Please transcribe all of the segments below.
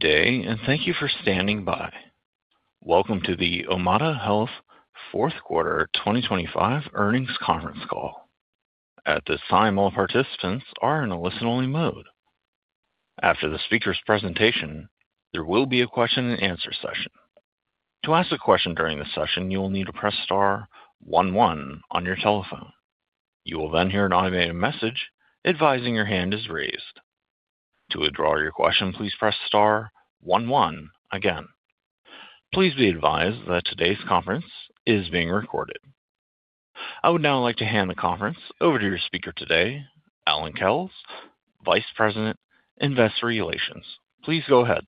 Day, and thank you for standing by. Welcome to the Omada Health Fourth Quarter 2025 Earnings Conference Call. At this time, all participants are in a listen-only mode. After the speakers presentation, there will be a question-and-answer session. To ask a question during the session, you will need to press star one one on your telephone. You will then hear an automated message advising your hand is raised. To withdraw your question, please press star one one again. Please be advised that today's conference is being recorded. I would now like to hand the conference over to your speaker today, Allan Kells, Vice President, Investor Relations. Please go ahead.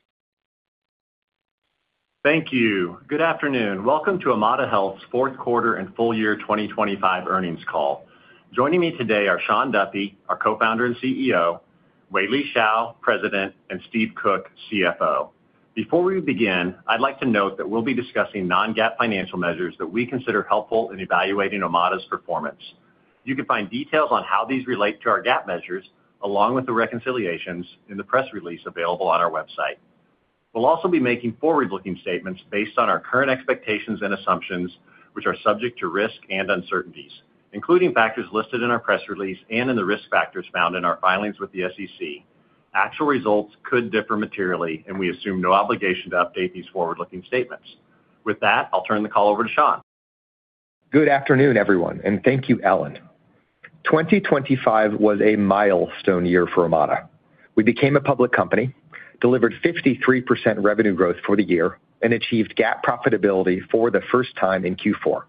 Thank you. Good afternoon. Welcome to Omada Health's Fourth Quarter and Full Year 2025 Earnings Call. Joining me today are Sean Duffy, our Co-founder and CEO, Wei-Li Shao, President, and Steve Cook, CFO. Before we begin, I'd like to note that we'll be discussing non-GAAP financial measures that we consider helpful in evaluating Omada's performance. You can find details on how these relate to our GAAP measures, along with the reconciliations in the press release available on our website. We'll also be making forward-looking statements based on our current expectations and assumptions, which are subject to risks and uncertainties, including factors listed in our press release and in the risk factors found in our filings with the SEC. Actual results could differ materially. We assume no obligation to update these forward-looking statements. With that, I'll turn the call over to Sean. Good afternoon, everyone, and thank you, Allan. 2025 was a milestone year for Omada. We became a public company, delivered 53% revenue growth for the year, and achieved GAAP profitability for the first time in Q4.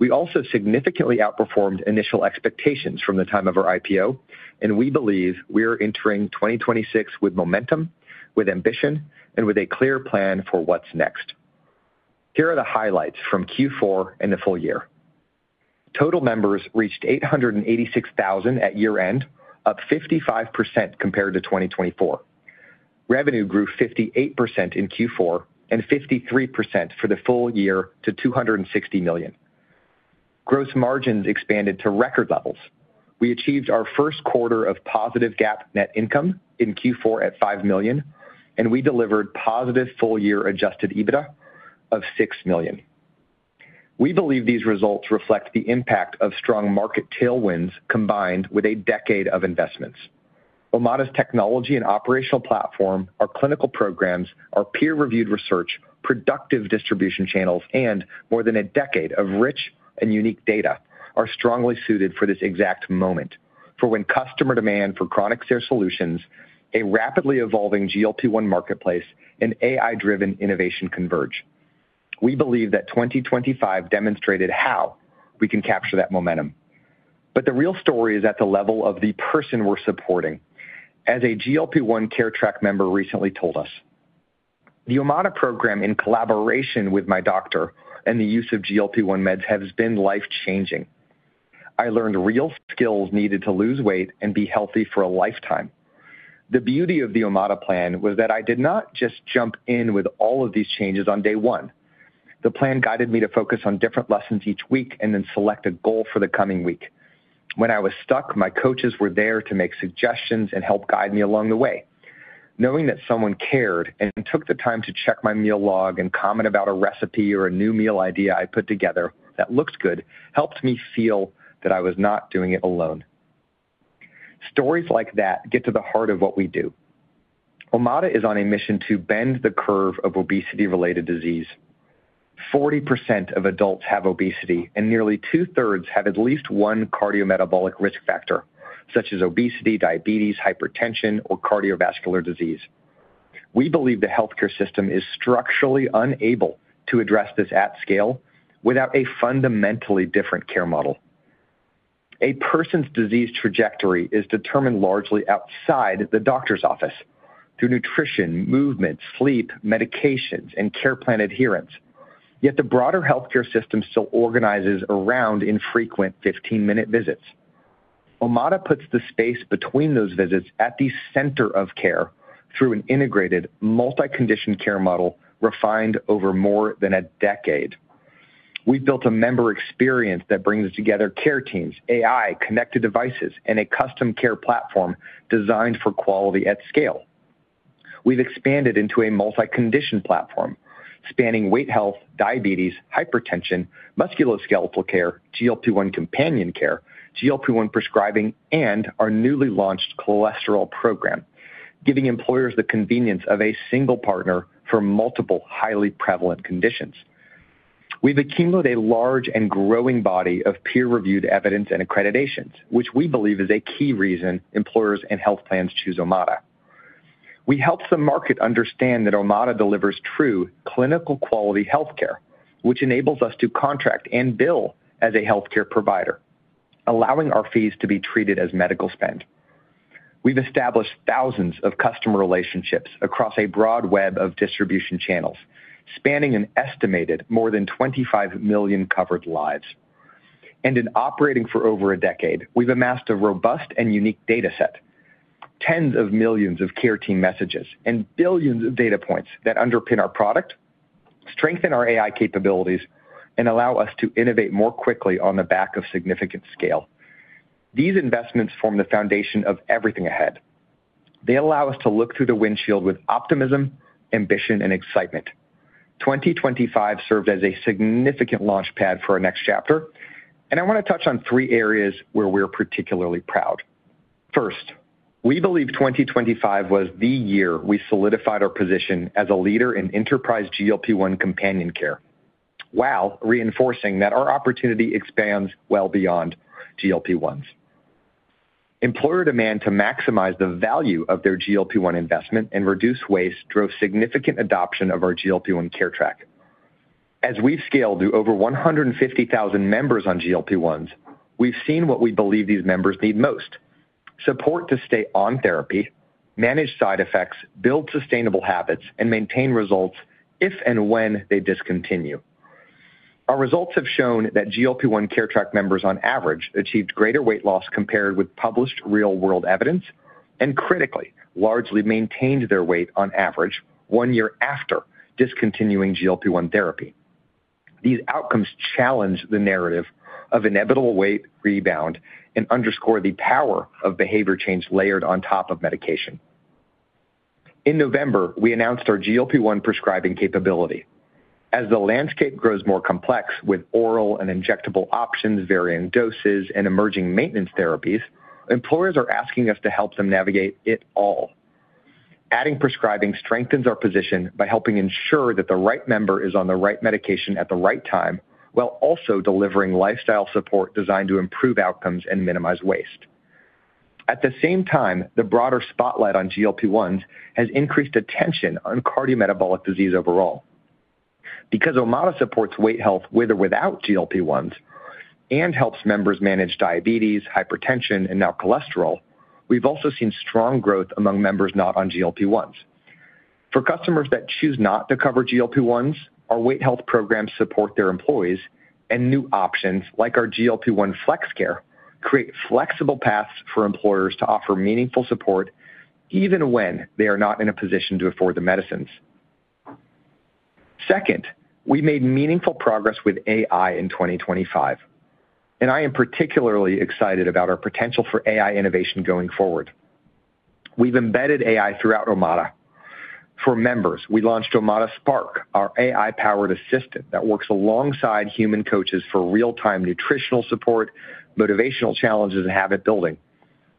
We also significantly outperformed initial expectations from the time of our IPO, and we believe we are entering 2026 with momentum, with ambition, and with a clear plan for what's next. Here are the highlights from Q4 and the full year. Total members reached 886,000 at year-end, up 55% compared to 2024. Revenue grew 58% in Q4 and 53% for the full year to $260 million. Gross margins expanded to record levels. We achieved our first quarter of positive GAAP net income in Q4 at $5 million, and we delivered positive full-year adjusted EBITDA of $6 million. We believe these results reflect the impact of strong market tailwinds combined with a decade of investments. Omada's technology and operational platform, our clinical programs, our peer-reviewed research, productive distribution channels, and more than a decade of rich and unique data are strongly suited for this exact moment. When customer demand for chronic care solutions, a rapidly evolving GLP-1 marketplace, and AI-driven innovation converge. We believe that 2025 demonstrated how we can capture that momentum. The real story is at the level of the person we're supporting. As a GLP-1 Care Track member recently told us, "The Omada program, in collaboration with my doctor and the use of GLP-1 meds, has been life-changing. I learned real skills needed to lose weight and be healthy for a lifetime. The beauty of the Omada plan was that I did not just jump in with all of these changes on day one. The plan guided me to focus on different lessons each week and then select a goal for the coming week. When I was stuck, my coaches were there to make suggestions and help guide me along the way. Knowing that someone cared and took the time to check my meal log and comment about a recipe or a new meal idea I put together that looks good helped me feel that I was not doing it alone." Stories like that get to the heart of what we do. Omada is on a mission to bend the curve of obesity-related disease. 40% of adults have obesity, and nearly 2/3 have at least one cardiometabolic risk factor, such as obesity, diabetes, hypertension, or cardiovascular disease. We believe the healthcare system is structurally unable to address this at scale without a fundamentally different care model. A person's disease trajectory is determined largely outside the doctor's office through nutrition, movement, sleep, medications, and care plan adherence. Yet the broader healthcare system still organizes around infrequent 15-minute visits. Omada puts the space between those visits at the center of care through an integrated multi-condition care model refined over more than a decade. We've built a member experience that brings together care teams, AI, connected devices, and a custom care platform designed for quality at scale. We've expanded into a multi-condition platform spanning weight health, diabetes, hypertension, musculoskeletal care, GLP-1 companion care, GLP-1 prescribing, and our newly launched cholesterol program, giving employers the convenience of a single partner for multiple highly prevalent conditions. We've accumulated a large and growing body of peer-reviewed evidence and accreditations, which we believe is a key reason employers and health plans choose Omada. We helped the market understand that Omada delivers true clinical quality healthcare, which enables us to contract and bill as a healthcare provider, allowing our fees to be treated as medical spend. We've established thousands of customer relationships across a broad web of distribution channels, spanning an estimated more than 25 million covered lives. In operating for over a decade, we've amassed a robust and unique data set, tens of millions of care team messages, and billions of data points that underpin our product, strengthen our AI capabilities and allow us to innovate more quickly on the back of significant scale. These investments form the foundation of everything ahead. They allow us to look through the windshield with optimism, ambition and excitement. 2025 served as a significant launchpad for our next chapter, and I wanna touch on three areas where we're particularly proud. First, we believe 2025 was the year we solidified our position as a leader in enterprise GLP-1 companion care, while reinforcing that our opportunity expands well beyond GLP-1s. Employer demand to maximize the value of their GLP-1 investment and reduce waste drove significant adoption of our GLP-1 Care Track. As we've scaled to over 150,000 members on GLP-1s, we've seen what we believe these members need most. Support to stay on therapy, manage side effects, build sustainable habits, and maintain results if and when they discontinue. Our results have shown that GLP-1 Care Track members on average, achieved greater weight loss compared with published real-world evidence, and critically largely maintained their weight on average one year after discontinuing GLP-1 therapy. These outcomes challenge the narrative of inevitable weight rebound and underscore the power of behavior change layered on top of medication. In November, we announced our GLP-1 prescribing capability. As the landscape grows more complex with oral and injectable options, varying doses and emerging maintenance therapies, employers are asking us to help them navigate it all. Adding prescribing strengthens our position by helping ensure that the right member is on the right medication at the right time, while also delivering lifestyle support designed to improve outcomes and minimize waste. At the same time, the broader spotlight on GLP-1s has increased attention on cardiometabolic disease overall. Because Omada supports weight health with or without GLP-1s and helps members manage diabetes, hypertension, and now cholesterol, we've also seen strong growth among members not on GLP-1s. For customers that choose not to cover GLP-1s, our weight health programs support their employees and new options like our GLP-1 Flex Care create flexible paths for employers to offer meaningful support even when they are not in a position to afford the medicines. Second, we made meaningful progress with AI in 2025, and I am particularly excited about our potential for AI innovation going forward. We've embedded AI throughout Omada. For members, we launched OmadaSpark, our AI-powered assistant that works alongside human coaches for real-time nutritional support, motivational challenges, and habit building.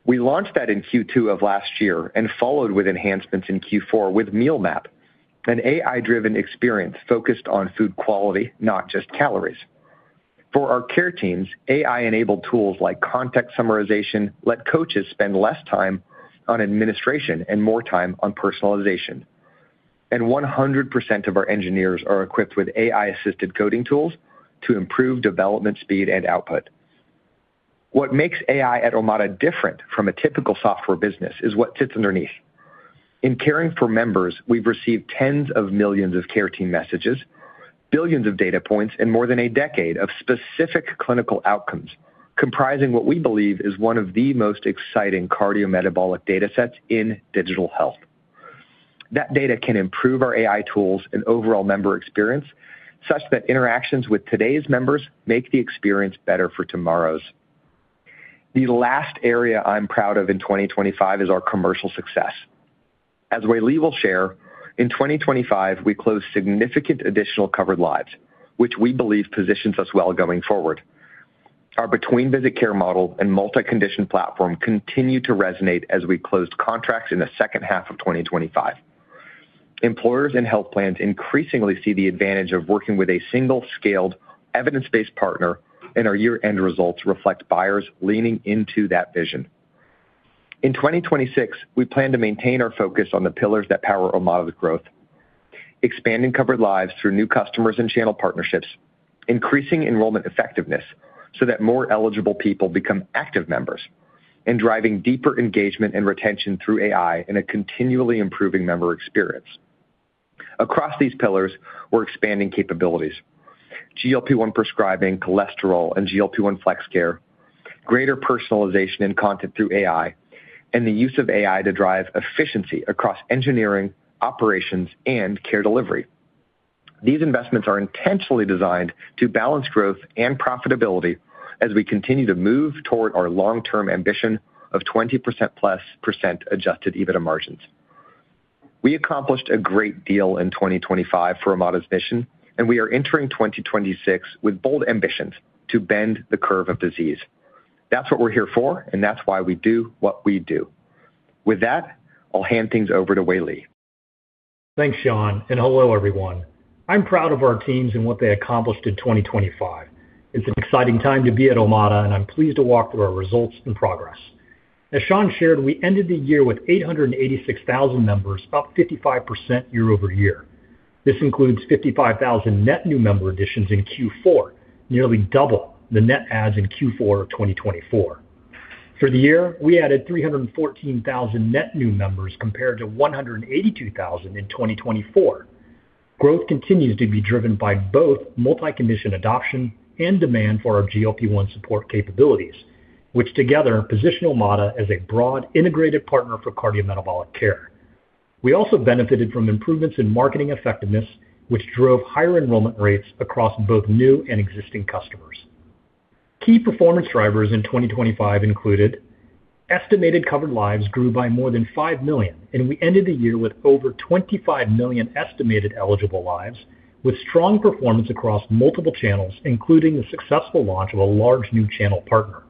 We launched that in Q2 of last year and followed with enhancements in Q4 with Meal Map, an AI-driven experience focused on food quality, not just calories. For our care teams, AI-enabled tools like contact summarization let coaches spend less time on administration and more time on personalization. 100% of our engineers are equipped with AI-assisted coding tools to improve development, speed, and output. What makes AI at Omada different from a typical software business is what sits underneath. In caring for members, we've received tens of millions of care team messages, billions of data points, and more than a decade of specific clinical outcomes, comprising what we believe is one of the most exciting cardiometabolic data sets in digital health. That data can improve our AI tools and overall member experience, such that interactions with today's members make the experience better for tomorrow's. The last area I'm proud of in 2025 is our commercial success. As Wei-Li will share, in 2025, we closed significant additional covered lives, which we believe positions us well going forward. Our between-visit care model and multi-condition platform continue to resonate as we closed contracts in the second half of 2025. Employers and health plans increasingly see the advantage of working with a single scaled evidence-based partner, our year-end results reflect buyers leaning into that vision. In 2026, we plan to maintain our focus on the pillars that power Omada's growth, expanding covered lives through new customers and channel partnerships, increasing enrollment effectiveness so that more eligible people become active members, and driving deeper engagement and retention through AI in a continually improving member experience. Across these pillars, we're expanding capabilities. GLP-1 prescribing cholesterol and GLP-1 Flex Care, greater personalization and content through AI, the use of AI to drive efficiency across engineering, operations, and care delivery. These investments are intentionally designed to balance growth and profitability as we continue to move toward our long-term ambition of 20%+ adjusted EBITDA margins. We accomplished a great deal in 2025 for Omada's mission, we are entering 2026 with bold ambitions to bend the curve of disease. That's what we're here for, that's why we do what we do. With that, I'll hand things over to Wei-Li. Thanks, Sean, hello, everyone. I'm proud of our teams and what they accomplished in 2025. It's an exciting time to be at Omada Health, I'm pleased to walk through our results and progress. As Sean shared, we ended the year with 886,000 members, up 55% year-over-year. This includes 55,000 net new member additions in Q4, nearly double the net adds in Q4 of 2024. For the year, we added 314,000 net new members compared to 182,000 in 2024. Growth continues to be driven by both multi-condition adoption and demand for our GLP-1 support capabilities, which together position Omada Health as a broad integrated partner for cardiometabolic care. We also benefited from improvements in marketing effectiveness, which drove higher enrollment rates across both new and existing customers. Key performance drivers in 2025 included estimated covered lives grew by more than 5 million, and we ended the year with over 25 million estimated eligible lives, with strong performance across multiple channels, including the successful launch of a large new channel partner.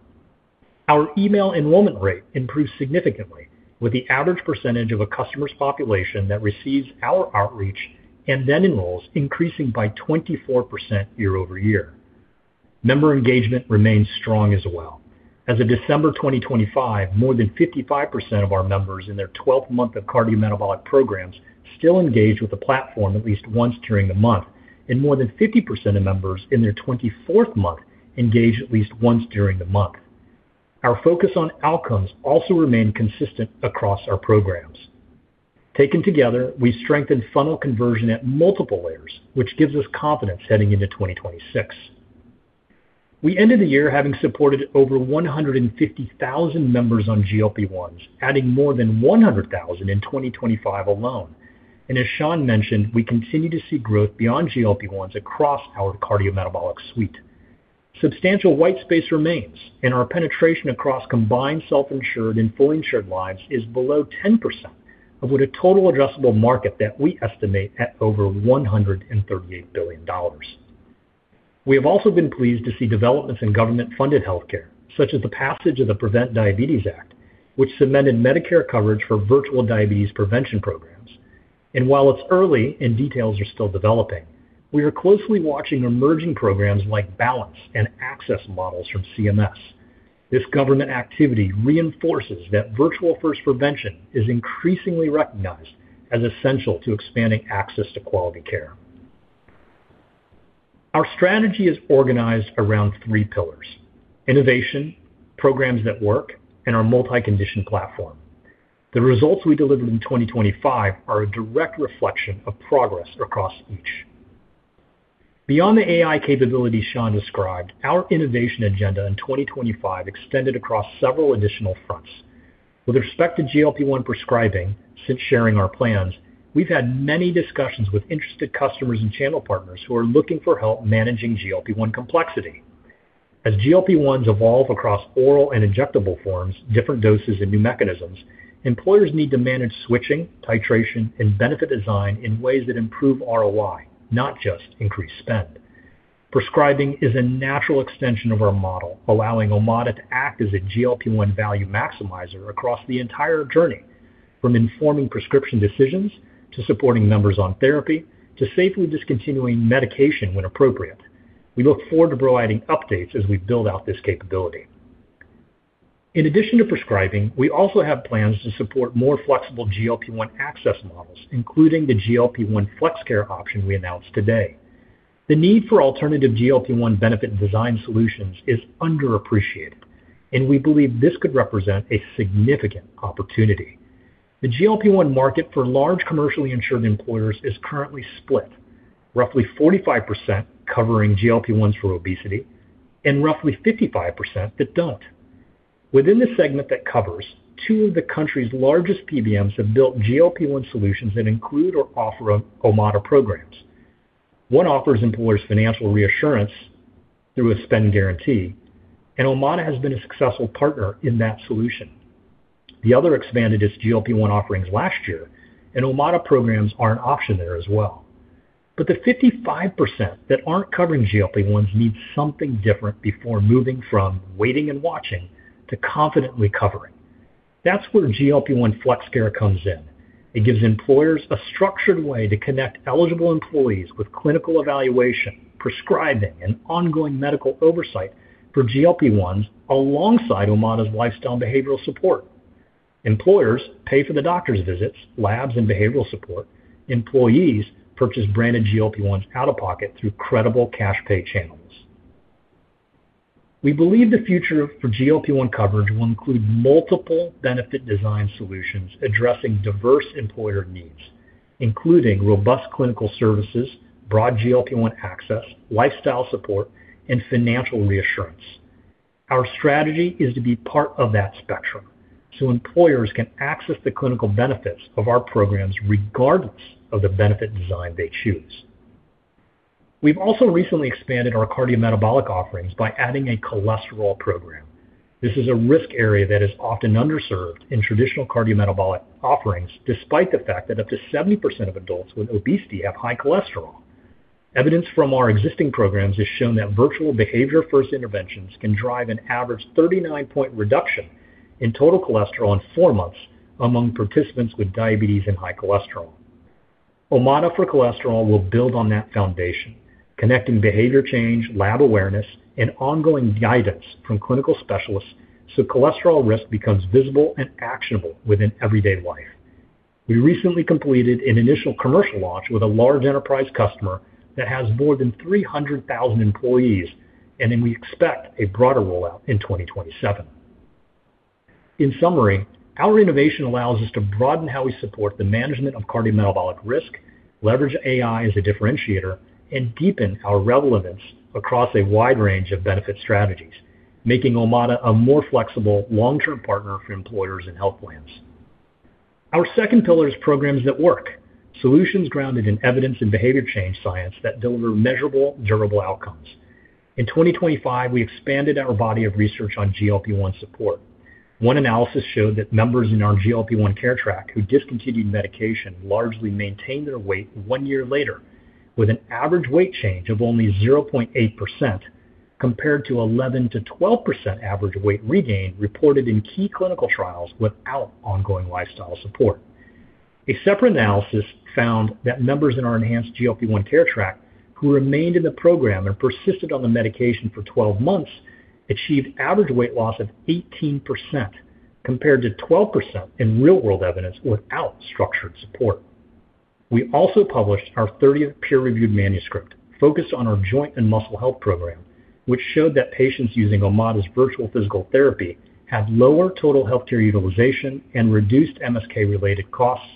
Our email enrollment rate increased significantly with the average percentage of a customer's population that receives our outreach and then enrolls increasing by 24% year-over-year. Member engagement remains strong as well. As of December 2025, more than 55% of our members in their 12th month of cardiometabolic programs still engage with the platform at least once during the month. More than 50% of members in their 24th month engage at least once during the month. Our focus on outcomes also remain consistent across our programs. Taken together, we strengthen funnel conversion at multiple layers, which gives us confidence heading into 2026. We ended the year having supported over 150,000 members on GLP-1s, adding more than 100,000 in 2025 alone. As Sean mentioned, we continue to see growth beyond GLP-1s across our cardiometabolic suite. Substantial white space remains. Our penetration across combined self-insured and fully insured lives is below 10% of what a total addressable market that we estimate at over $138 billion. We have also been pleased to see developments in government-funded healthcare, such as the passage of the Prevent Diabetes Act, which cemented Medicare coverage for virtual diabetes prevention programs. While it's early and details are still developing, we are closely watching emerging programs like BALANCE and Access Models from CMS. This government activity reinforces that virtual first prevention is increasingly recognized as essential to expanding access to quality care. Our strategy is organized around three pillars: innovation, programs that work, and our multi-condition platform. The results we delivered in 2025 are a direct reflection of progress across each. Beyond the AI capabilities Sean described, our innovation agenda in 2025 extended across several additional fronts. With respect to GLP-1 prescribing, since sharing our plans, we've had many discussions with interested customers and channel partners who are looking for help managing GLP-1 complexity. As GLP-1s evolve across oral and injectable forms, different doses and new mechanisms, employers need to manage switching, titration, and benefit design in ways that improve ROI, not just increase spend. Prescribing is a natural extension of our model, allowing Omada to act as a GLP-1 value maximizer across the entire journey, from informing prescription decisions to supporting members on therapy, to safely discontinuing medication when appropriate. We look forward to providing updates as we build out this capability. In addition to prescribing, we also have plans to support more flexible GLP-1 access models, including the GLP-1 Flex Care option we announced today. The need for alternative GLP-1 benefit design solutions is underappreciated. We believe this could represent a significant opportunity. The GLP-1 market for large commercially insured employers is currently split, roughly 45% covering GLP-1s for obesity and roughly 55% that don't. Within the segment that covers, two of the country's largest PBMs have built GLP-1 solutions that include or offer Omada programs. One offers employers financial reassurance through a spend guarantee. Omada has been a successful partner in that solution. The other expanded its GLP-1 offerings last year. Omada programs are an option there as well. The 55% that aren't covering GLP-1s need something different before moving from waiting and watching to confidently covering. That's where GLP-1 Flex Care comes in. It gives employers a structured way to connect eligible employees with clinical evaluation, prescribing, and ongoing medical oversight for GLP-1s alongside Omada's lifestyle and behavioral support. Employers pay for the doctor's visits, labs and behavioral support. Employees purchase branded GLP-1s out-of-pocket through credible cash pay channels. We believe the future for GLP-1 coverage will include multiple benefit design solutions addressing diverse employer needs, including robust clinical services, broad GLP-1 access, lifestyle support, and financial reassurance. Our strategy is to be part of that spectrum so employers can access the clinical benefits of our programs regardless of the benefit design they choose. We've also recently expanded our cardiometabolic offerings by adding a cholesterol program. This is a risk area that is often underserved in traditional cardiometabolic offerings, despite the fact that up to 70% of adults with obesity have high cholesterol. Evidence from our existing programs has shown that virtual behavior first interventions can drive an average 39 point reduction in total cholesterol in four months among participants with diabetes and high cholesterol. Omada for Cholesterol will build on that foundation, connecting behavior change, lab awareness, and ongoing guidance from clinical specialists so cholesterol risk becomes visible and actionable within everyday life. We recently completed an initial commercial launch with a large enterprise customer that has more than 300,000 employees. We expect a broader rollout in 2027. In summary, our innovation allows us to broaden how we support the management of cardiometabolic risk, leverage AI as a differentiator, and deepen our relevance across a wide range of benefit strategies, making Omada a more flexible long-term partner for employers and health plans. Our second pillar is programs that work, solutions grounded in evidence and behavior change science that deliver measurable, durable outcomes. In 2025, we expanded our body of research on GLP-1 support. One analysis showed that members in our GLP-1 Care Track who discontinued medication largely maintained their weight one year later with an average weight change of only 0.8% compared to 11%-12% average weight regain reported in key clinical trials without ongoing lifestyle support. A separate analysis found that members in our enhanced GLP-1 Care Track who remained in the program and persisted on the medication for 12 months achieved average weight loss of 18% compared to 12% in real world evidence without structured support. We also published our 30th peer-reviewed manuscript focused on our joint and muscle health program, which showed that patients using Omada's virtual physical therapy had lower total healthcare utilization and reduced MSK related costs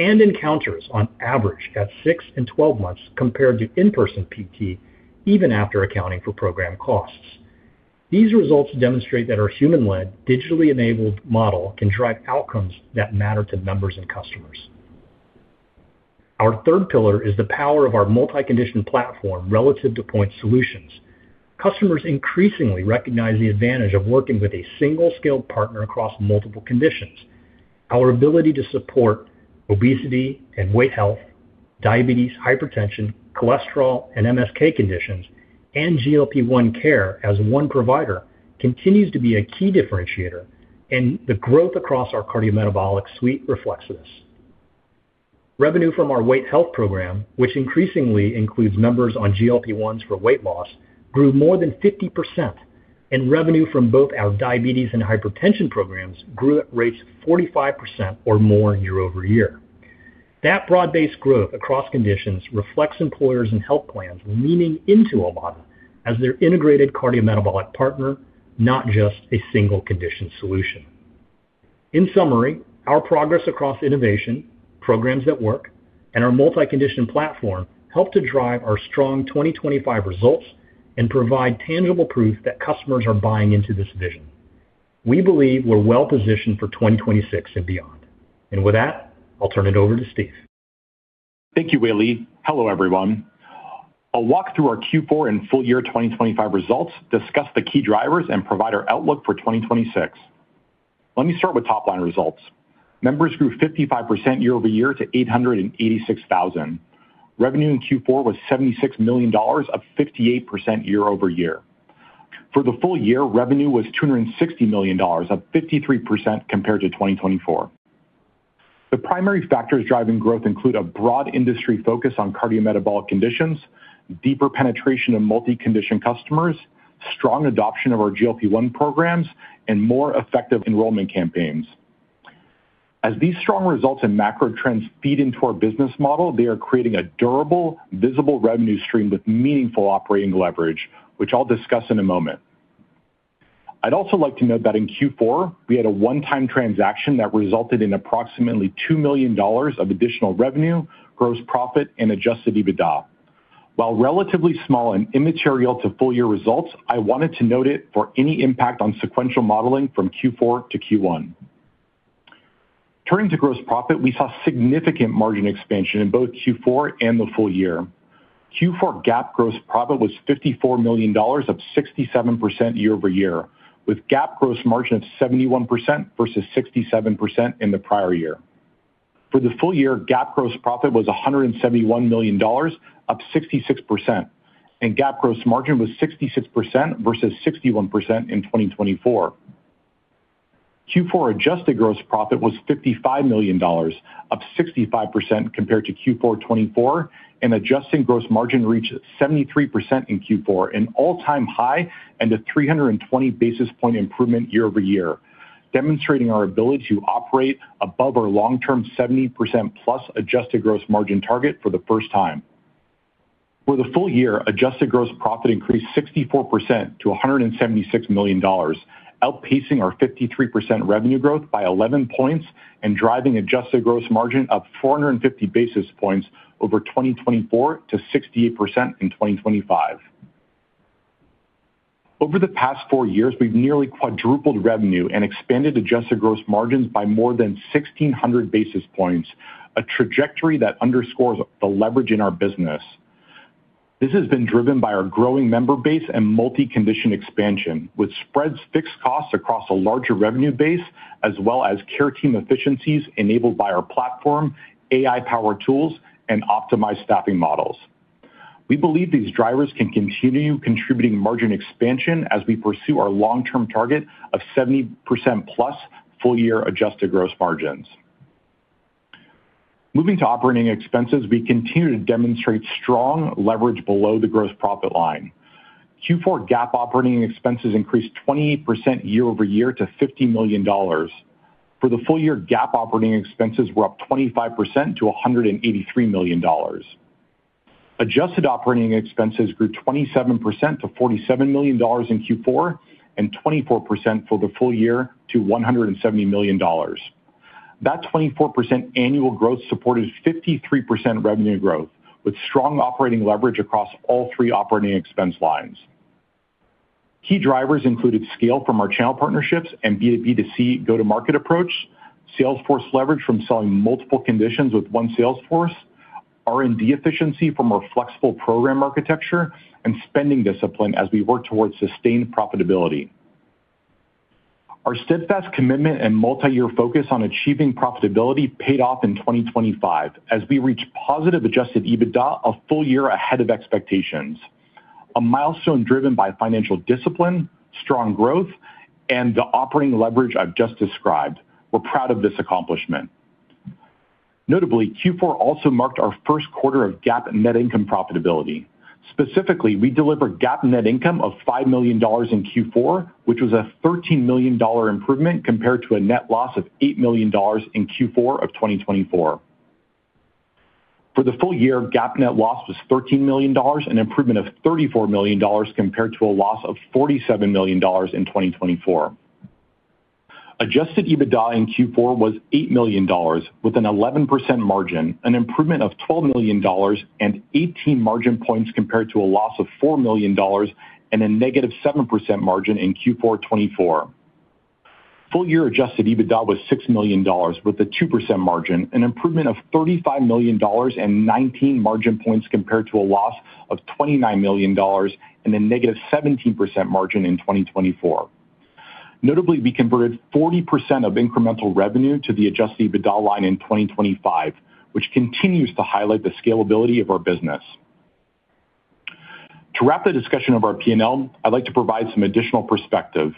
and encounters on average at six and 12 months compared to in-person PT, even after accounting for program costs. These results demonstrate that our human-led digitally enabled model can drive outcomes that matter to members and customers. Our third pillar is the power of our multi-condition platform relative to point solutions. Customers increasingly recognize the advantage of working with a single scaled partner across multiple conditions. Our ability to support obesity and weight health, diabetes, hypertension, cholesterol, and MSK conditions and GLP-1 care as one provider continues to be a key differentiator, and the growth across our cardiometabolic suite reflects this. Revenue from our weight health program, which increasingly includes members on GLP-1s for weight loss, grew more than 50%, and revenue from both our diabetes and hypertension programs grew at rates of 45% or more year-over-year. That broad-based growth across conditions reflects employers and health plans leaning into Omada as their integrated cardiometabolic partner, not just a single condition solution. In summary, our progress across innovation, programs that work, and our multi-condition platform help to drive our strong 2025 results and provide tangible proof that customers are buying into this vision. We believe we're well-positioned for 2026 and beyond. With that, I'll turn it over to Steve. Thank you, Wei-Li. Hello, everyone. I'll walk through our Q4 and full year 2025 results, discuss the key drivers, and provide our outlook for 2026. Let me start with top line results. Members grew 55% year over year to 886,000. Revenue in Q4 was $76 million, up 58% year-over-year. For the full year, revenue was $260 million, up 53% compared to 2024. The primary factors driving growth include a broad industry focus on cardiometabolic conditions, deeper penetration of multi-condition customers, strong adoption of our GLP-1 programs, and more effective enrollment campaigns. As these strong results and macro trends feed into our business model, they are creating a durable, visible revenue stream with meaningful operating leverage, which I'll discuss in a moment. I'd also like to note that in Q4 we had a one-time transaction that resulted in approximately $2 million of additional revenue, gross profit, and adjusted EBITDA. While relatively small and immaterial to full year results, I wanted to note it for any impact on sequential modeling from Q4 to Q1. Turning to gross profit, we saw significant margin expansion in both Q4 and the full year. Q4 GAAP gross profit was $54 million, up 67% year-over-year, with GAAP gross margin of 71% versus 67% in the prior year. For the full year, GAAP gross profit was $171 million, up 66%, and GAAP gross margin was 66% versus 61% in 2024. Q4 adjusted gross profit was $55 million, up 65% compared to Q4 2024, and adjusted gross margin reached 73% in Q4, an all-time high and a 320 basis point improvement year-over-year, demonstrating our ability to operate above our long-term 70%+ adjusted gross margin target for the first time. For the full year, adjusted gross profit increased 64% to $176 million, outpacing our 53% revenue growth by 11 points and driving adjusted gross margin up 450 basis points over 2024 to 68% in 2025. Over the past 4 years, we've nearly quadrupled revenue and expanded adjusted gross margins by more than 1,600 basis points, a trajectory that underscores the leverage in our business. This has been driven by our growing member base and multi-condition expansion, which spreads fixed costs across a larger revenue base as well as care team efficiencies enabled by our platform, AI-powered tools, and optimized staffing models. We believe these drivers can continue contributing margin expansion as we pursue our long-term target of 70%+ full year adjusted gross margins. Moving to operating expenses, we continue to demonstrate strong leverage below the gross profit line. Q4 GAAP operating expenses increased 28% year-over-year to $50 million. For the full year, GAAP operating expenses were up 25% to $183 million. Adjusted operating expenses grew 27% to $47 million in Q4 and 24% for the full year to $170 million. That 24% annual growth supported 53% revenue growth, with strong operating leverage across all three operating expense lines. Key drivers included scale from our channel partnerships and B2B2C go-to-market approach, sales force leverage from selling multiple conditions with one sales force, R&D efficiency from our flexible program architecture, and spending discipline as we work towards sustained profitability. Our steadfast commitment and multi-year focus on achieving profitability paid off in 2025 as we reach positive adjusted EBITDA a full year ahead of expectations. A milestone driven by financial discipline, strong growth, and the operating leverage I've just described. We're proud of this accomplishment. Notably, Q4 also marked our first quarter of GAAP net income profitability. Specifically, we delivered GAAP net income of $5 million in Q4, which was a $13 million improvement compared to a net loss of $8 million in Q4 of 2024. For the full year, GAAP net loss was $13 million, an improvement of $34 million compared to a loss of $47 million in 2024. Adjusted EBITDA in Q4 was $8 million with an 11% margin, an improvement of $12 million and 18 margin points compared to a loss of $4 million and a negative 7% margin in Q4 2024. Full year adjusted EBITDA was $6 million with a 2% margin, an improvement of $35 million and 19 margin points compared to a loss of $29 million and a negative 17% margin in 2024. Notably, we converted 40% of incremental revenue to the adjusted EBITDA line in 2025, which continues to highlight the scalability of our business. To wrap the discussion of our P&L, I'd like to provide some additional perspective.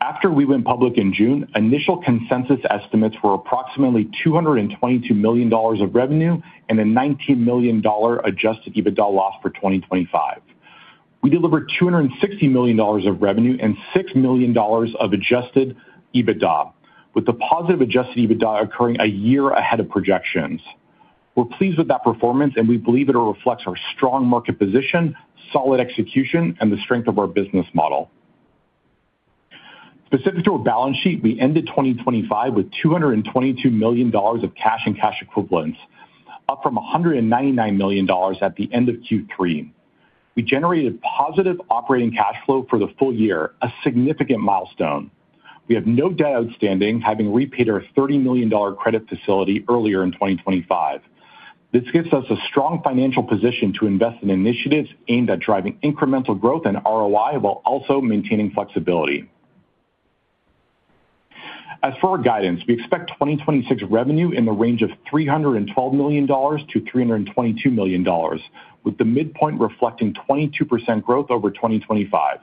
After we went public in June, initial consensus estimates were approximately $222 million of revenue and a $19 million adjusted EBITDA loss for 2025. We delivered $260 million of revenue and $6 million of adjusted EBITDA, with the positive adjusted EBITDA occurring a year ahead of projections. We're pleased with that performance, and we believe it reflects our strong market position, solid execution, and the strength of our business model. Specific to our balance sheet, we ended 2025 with $222 million of cash and cash equivalents, up from $199 million at the end of Q3. We generated positive operating cash flow for the full year, a significant milestone. We have no debt outstanding, having repaid our $30 million credit facility earlier in 2025. This gives us a strong financial position to invest in initiatives aimed at driving incremental growth and ROI while also maintaining flexibility. For our guidance, we expect 2026 revenue in the range of $312 million-$322 million, with the midpoint reflecting 22% growth over 2025.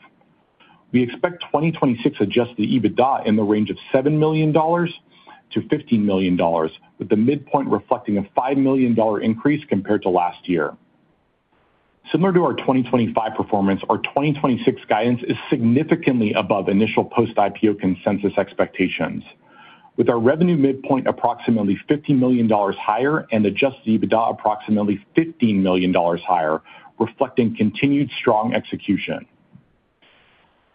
We expect 2026 adjusted EBITDA in the range of $7 million-$15 million, with the midpoint reflecting a $5 million increase compared to last year. Similar to our 2025 performance, our 2026 guidance is significantly above initial post-IPO consensus expectations. With our revenue midpoint approximately $50 million higher and adjusted EBITDA approximately $15 million higher, reflecting continued strong execution.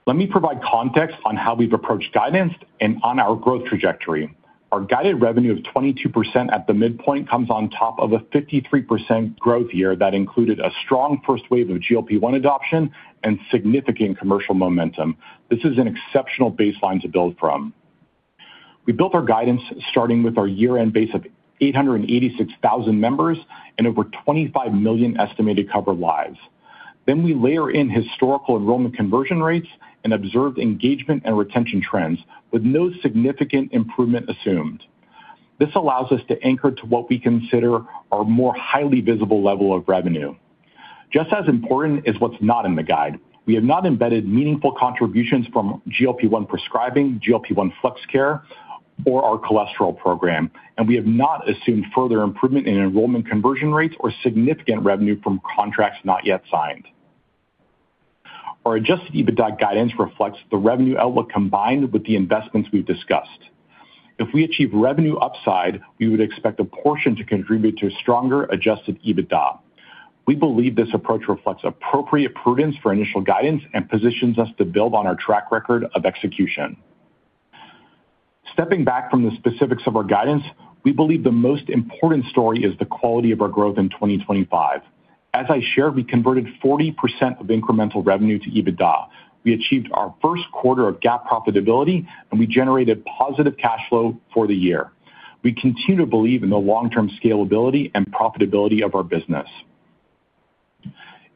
Let me provide context on how we've approached guidance and on our growth trajectory. Our guided revenue of 22% at the midpoint comes on top of a 53% growth year that included a strong first wave of GLP-1 adoption and significant commercial momentum. This is an exceptional baseline to build from. We built our guidance starting with our year-end base of 886,000 members and over 25 million estimated covered lives. We layer in historical enrollment conversion rates and observed engagement and retention trends with no significant improvement assumed. This allows us to anchor to what we consider our more highly visible level of revenue. Just as important is what's not in the guide. We have not embedded meaningful contributions from GLP-1 prescribing, GLP-1 Flex Care, or our cholesterol program, and we have not assumed further improvement in enrollment conversion rates or significant revenue from contracts not yet signed. Our adjusted EBITDA guidance reflects the revenue outlook combined with the investments we've discussed. If we achieve revenue upside, we would expect a portion to contribute to a stronger adjusted EBITDA. We believe this approach reflects appropriate prudence for initial guidance and positions us to build on our track record of execution. Stepping back from the specifics of our guidance, we believe the most important story is the quality of our growth in 2025. As I shared, we converted 40% of incremental revenue to EBITDA. We achieved our first quarter of GAAP profitability, and we generated positive cash flow for the year. We continue to believe in the long-term scalability and profitability of our business.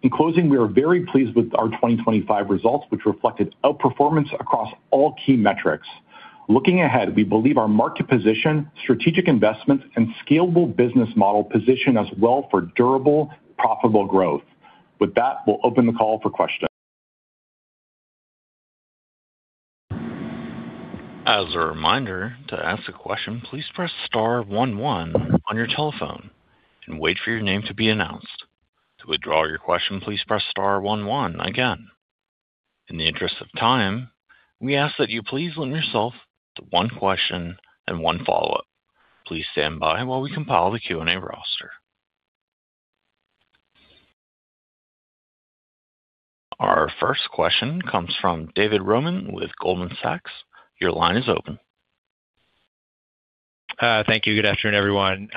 In closing, we are very pleased with our 2025 results, which reflected outperformance across all key metrics. Looking ahead, we believe our market position, strategic investments, and scalable business model position us well for durable, profitable growth. With that, we'll open the call for questions. As a reminder, to ask a question, please press star one one on your telephone and wait for your name to be announced. To withdraw your question, please press star one one again. In the interest of time, we ask that you please limit yourself to one question and one follow-up. Please stand by while we compile the Q&A roster. Our first question comes from David Roman with Goldman Sachs. Your line is open. Thank you. Good afternoon, everyone.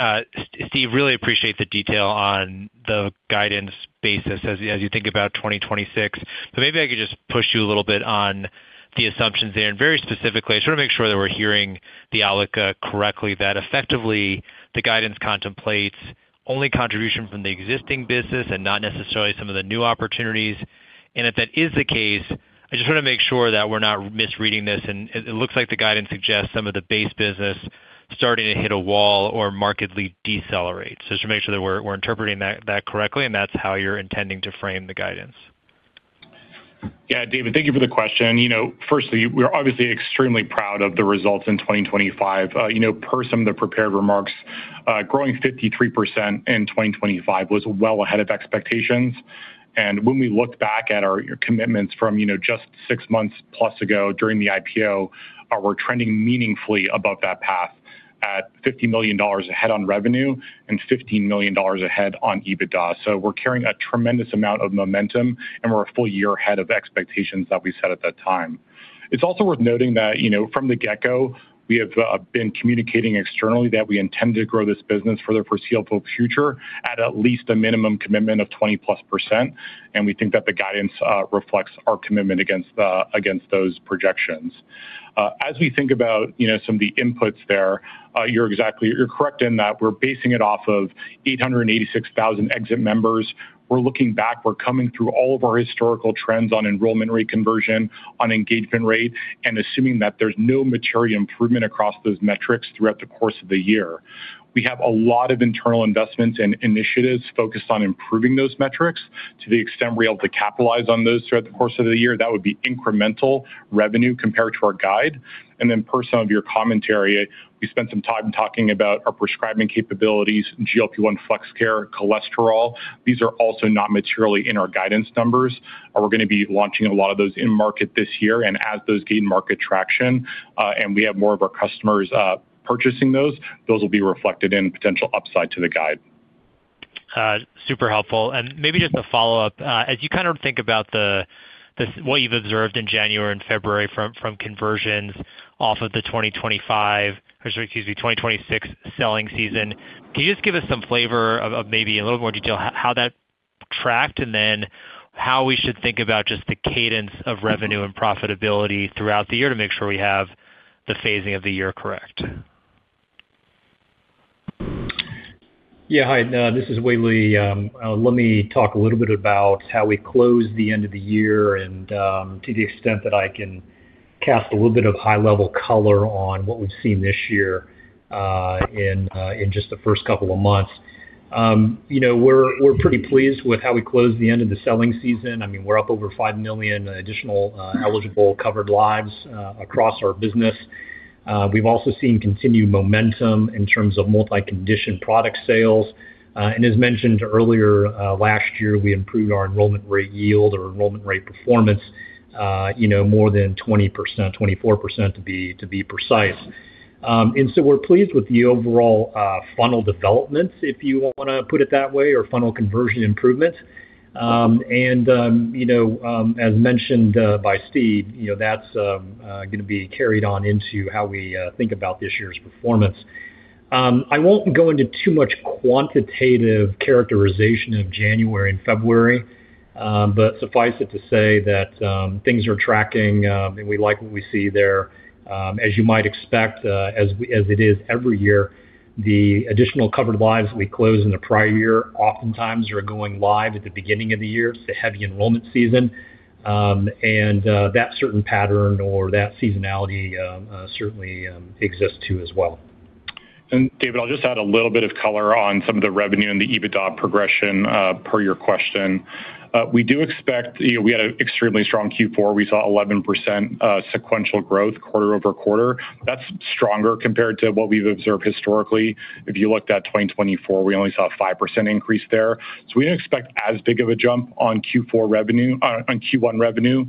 Steve, really appreciate the detail on the guidance basis as you think about 2026. Maybe I could just push you a little bit on the assumptions there, and very specifically, I just wanna make sure that we're hearing the Alika correctly, that effectively the guidance contemplates only contribution from the existing business and not necessarily some of the new opportunities. If that is the case, I just wanna make sure that we're not misreading this. It looks like the guidance suggests some of the base business starting to hit a wall or markedly decelerate. Just wanna make sure that we're interpreting that correctly, and that's how you're intending to frame the guidance. Yeah. David, thank you for the question. You know, firstly, we're obviously extremely proud of the results in 2025. You know, per some of the prepared remarks, growing 53% in 2025 was well ahead of expectations. When we look back at our commitments from, you know, just 6+ months ago during the IPO, we're trending meaningfully above that path at $50 million ahead on revenue and $15 million ahead on EBITDA. We're carrying a tremendous amount of momentum, and we're a full year ahead of expectations that we set at that time. It's also worth noting that, you know, from the get-go, we have been communicating externally that we intend to grow this business for the foreseeable future at at least a minimum commitment of 20%+, and we think that the guidance reflects our commitment against those projections. As we think about, you know, some of the inputs there, you're correct in that we're basing it off of 886,000 exit members. We're looking back, we're combing through all of our historical trends on enrollment rate conversion, on engagement rate, and assuming that there's no material improvement across those metrics throughout the course of the year. We have a lot of internal investments and initiatives focused on improving those metrics to the extent we're able to capitalize on those throughout the course of the year. That would be incremental revenue compared to our guide. Per some of your commentary, we spent some time talking about our prescribing capabilities, GLP-1 Flex Care, cholesterol. These are also not materially in our guidance numbers. We're gonna be launching a lot of those in market this year, and as those gain market traction, and we have more of our customers, purchasing those will be reflected in potential upside to the guide. Super helpful. And maybe just a follow-up. As you kind of think about what you've observed in January and February from conversions off of the 2025, or excuse me, 2026 selling season, can you just give us some flavor of maybe a little more detail how that tracked, and then how we should think about just the cadence of revenue and profitability throughout the year to make sure we have the phasing of the year correct? Yeah. Hi, this is Wei-Li. Let me talk a little bit about how we closed the end of the year and to the extent that I can cast a little bit of high level color on what we've seen this year in just the first couple of months. You know, we're pretty pleased with how we closed the end of the selling season. I mean, we're up over $5 million additional eligible covered lives across our business. We've also seen continued momentum in terms of multi-condition product sales. As mentioned earlier, last year, we improved our enrollment rate yield or enrollment rate performance, you know, more than 20%, 24% to be precise. We're pleased with the overall funnel developments, if you wanna put it that way, or funnel conversion improvement. You know, as mentioned by Steve, you know, that's gonna be carried on into how we think about this year's performance. I won't go into too much quantitative characterization of January and February, but suffice it to say that things are tracking, and we like what we see there. As you might expect, as it is every year, the additional covered lives we closed in the prior year oftentimes are going live at the beginning of the year, it's a heavy enrollment season. That certain pattern or that seasonality certainly exists too as well. David, I'll just add a little bit of color on some of the revenue and the EBITDA progression, per your question. You know, we had a extremely strong Q4. We saw 11% sequential growth quarter-over-quarter. That's stronger compared to what we've observed historically. If you looked at 2024, we only saw a 5% increase there. We didn't expect as big of a jump on Q4 revenue, on Q1 revenue,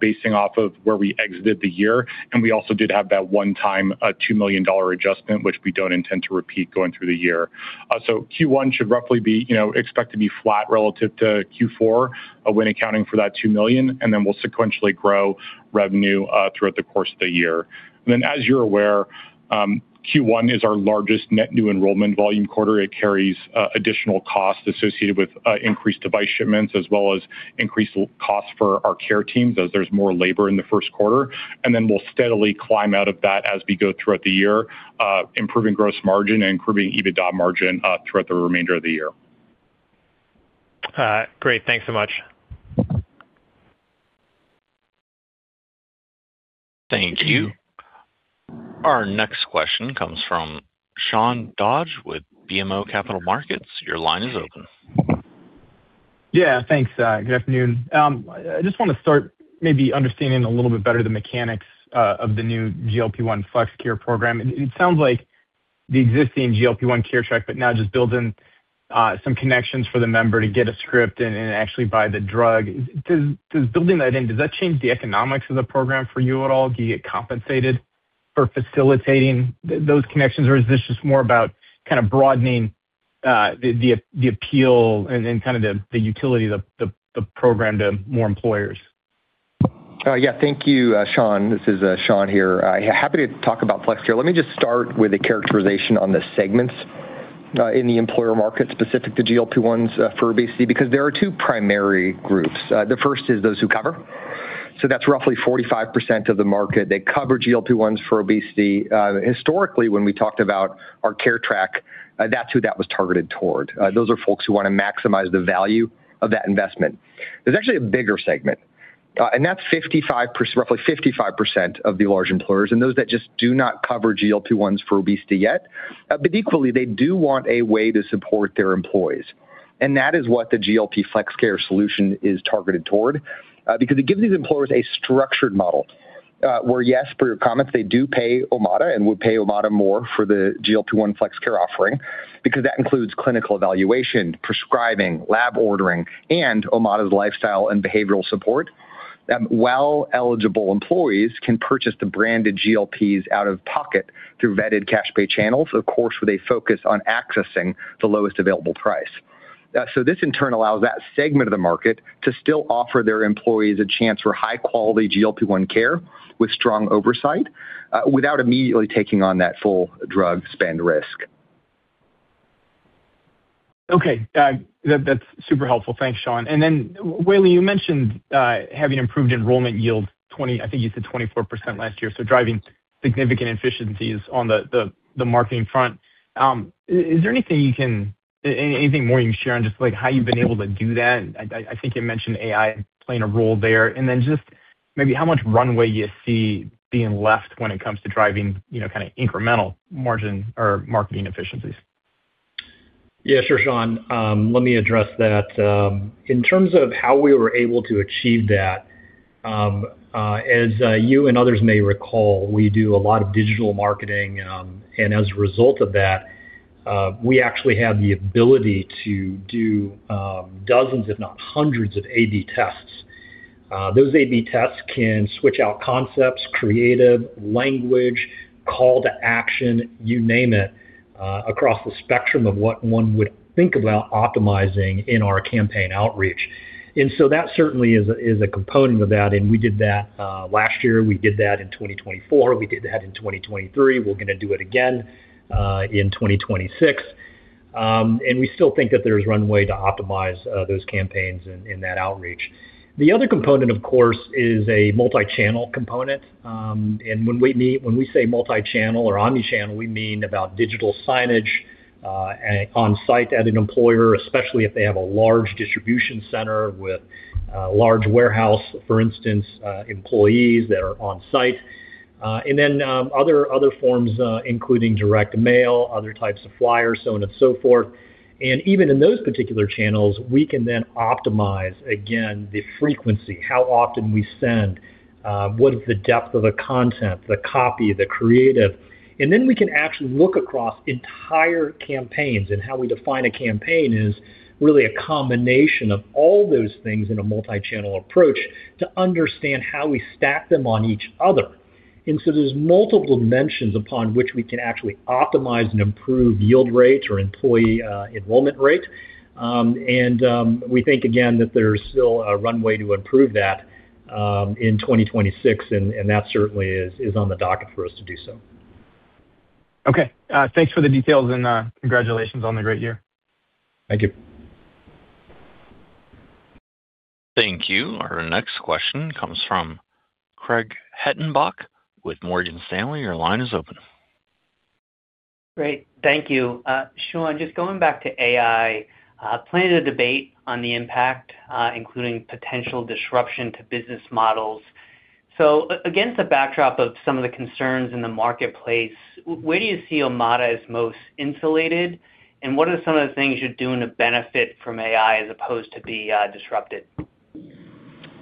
basing off of where we exited the year, and we also did have that one-time $2 million adjustment, which we don't intend to repeat going through the year. Q1 should roughly be, you know, expect to be flat relative to Q4, when accounting for that $2 million, and then we'll sequentially grow revenue throughout the course of the year. As you're aware, Q1 is our largest net new enrollment volume quarter. It carries additional costs associated with increased device shipments as well as increased costs for our care teams as there's more labor in the first quarter. We'll steadily climb out of that as we go throughout the year, improving gross margin and improving EBITDA margin throughout the remainder of the year. Great. Thanks so much. Thank you. Our next question comes from Sean Dodge with BMO Capital Markets. Your line is open. Yeah, thanks. Good afternoon. I just wanna start maybe understanding a little bit better the mechanics of the new GLP-1 Flex Care program. It sounds like the existing GLP-1 Care Track, but now just building some connections for the member to get a script and actually buy the drug. Does building that in, does that change the economics of the program for you at all? Do you get compensated for facilitating those connections, or is this just more about kind of broadening the appeal and kind of the utility of the program to more employers? Yeah. Thank you, Sean. This is Sean here. Happy to talk about Flex Care. Let me just start with a characterization on the segments in the employer market specific to GLP-1s for obesity, because there are two primary groups. The first is those who cover. That's roughly 45% of the market. They cover GLP-1s for obesity. Historically, when we talked about our CareTrack, that's who that was targeted toward. Those are folks who wanna maximize the value of that investment. There's actually a bigger segment, and that's roughly 55% of the large employers and those that just do not cover GLP-1s for obesity yet. Equally, they do want a way to support their employees. That is what the GLP Flex Care solution is targeted toward, because it gives these employers a structured model, where, yes, per your comments, they do pay Omada and will pay Omada more for the GLP-1 Flex Care offering because that includes clinical evaluation, prescribing, lab ordering, and Omada's lifestyle and behavioral support. Well-eligible employees can purchase the branded GLPs out of pocket through vetted cash pay channels, of course, with a focus on accessing the lowest available price. This in turn allows that segment of the market to still offer their employees a chance for high-quality GLP-1 care with strong oversight, without immediately taking on that full drug spend risk. Okay. That's super helpful. Thanks, Sean. Then, Wei-Li, you mentioned having improved enrollment yields 24% last year, so driving significant efficiencies on the marketing front. Is there anything more you can share on just, like, how you've been able to do that? I think you mentioned AI playing a role there. Then just maybe how much runway you see being left when it comes to driving, you know, kinda incremental margin or marketing efficiencies. Yeah, sure, Sean. Let me address that. In terms of how we were able to achieve that, as you and others may recall, we do a lot of digital marketing. As a result of that, we actually have the ability to do dozens, if not hundreds, of A/B tests. Those A/B tests can switch out concepts, creative, language, call to action, you name it, across the spectrum of what one would think about optimizing in our campaign outreach. That certainly is a, is a component of that, and we did that last year. We did that in 2024. We did that in 2023. We're gonna do it again in 2026. We still think that there's runway to optimize those campaigns in that outreach. The other component, of course, is a multi-channel component. When we say multi-channel or omni-channel, we mean about digital signage, a on-site at an employer, especially if they have a large distribution center with a large warehouse, for instance, employees that are on site. Then, other forms, including direct mail, other types of flyers, so on and so forth. Even in those particular channels, we can then optimize again the frequency, how often we send, what is the depth of the content, the copy, the creative. Then we can actually look across entire campaigns, and how we define a campaign is really a combination of all those things in a multi-channel approach to understand how we stack them on each other. There's multiple dimensions upon which we can actually optimize and improve yield rate or employee, enrollment rate. We think again that there's still a runway to improve that, in 2026, and that certainly is on the docket for us to do so. Okay. Thanks for the details and, congratulations on the great year. Thank you. Thank you. Our next question comes from Craig Hettenbach with Morgan Stanley. Your line is open. Great. Thank you. Sean, just going back to AI, plenty of debate on the impact, including potential disruption to business models. Against the backdrop of some of the concerns in the marketplace, where do you see Omada as most insulated, and what are some of the things you're doing to benefit from AI as opposed to be disrupted?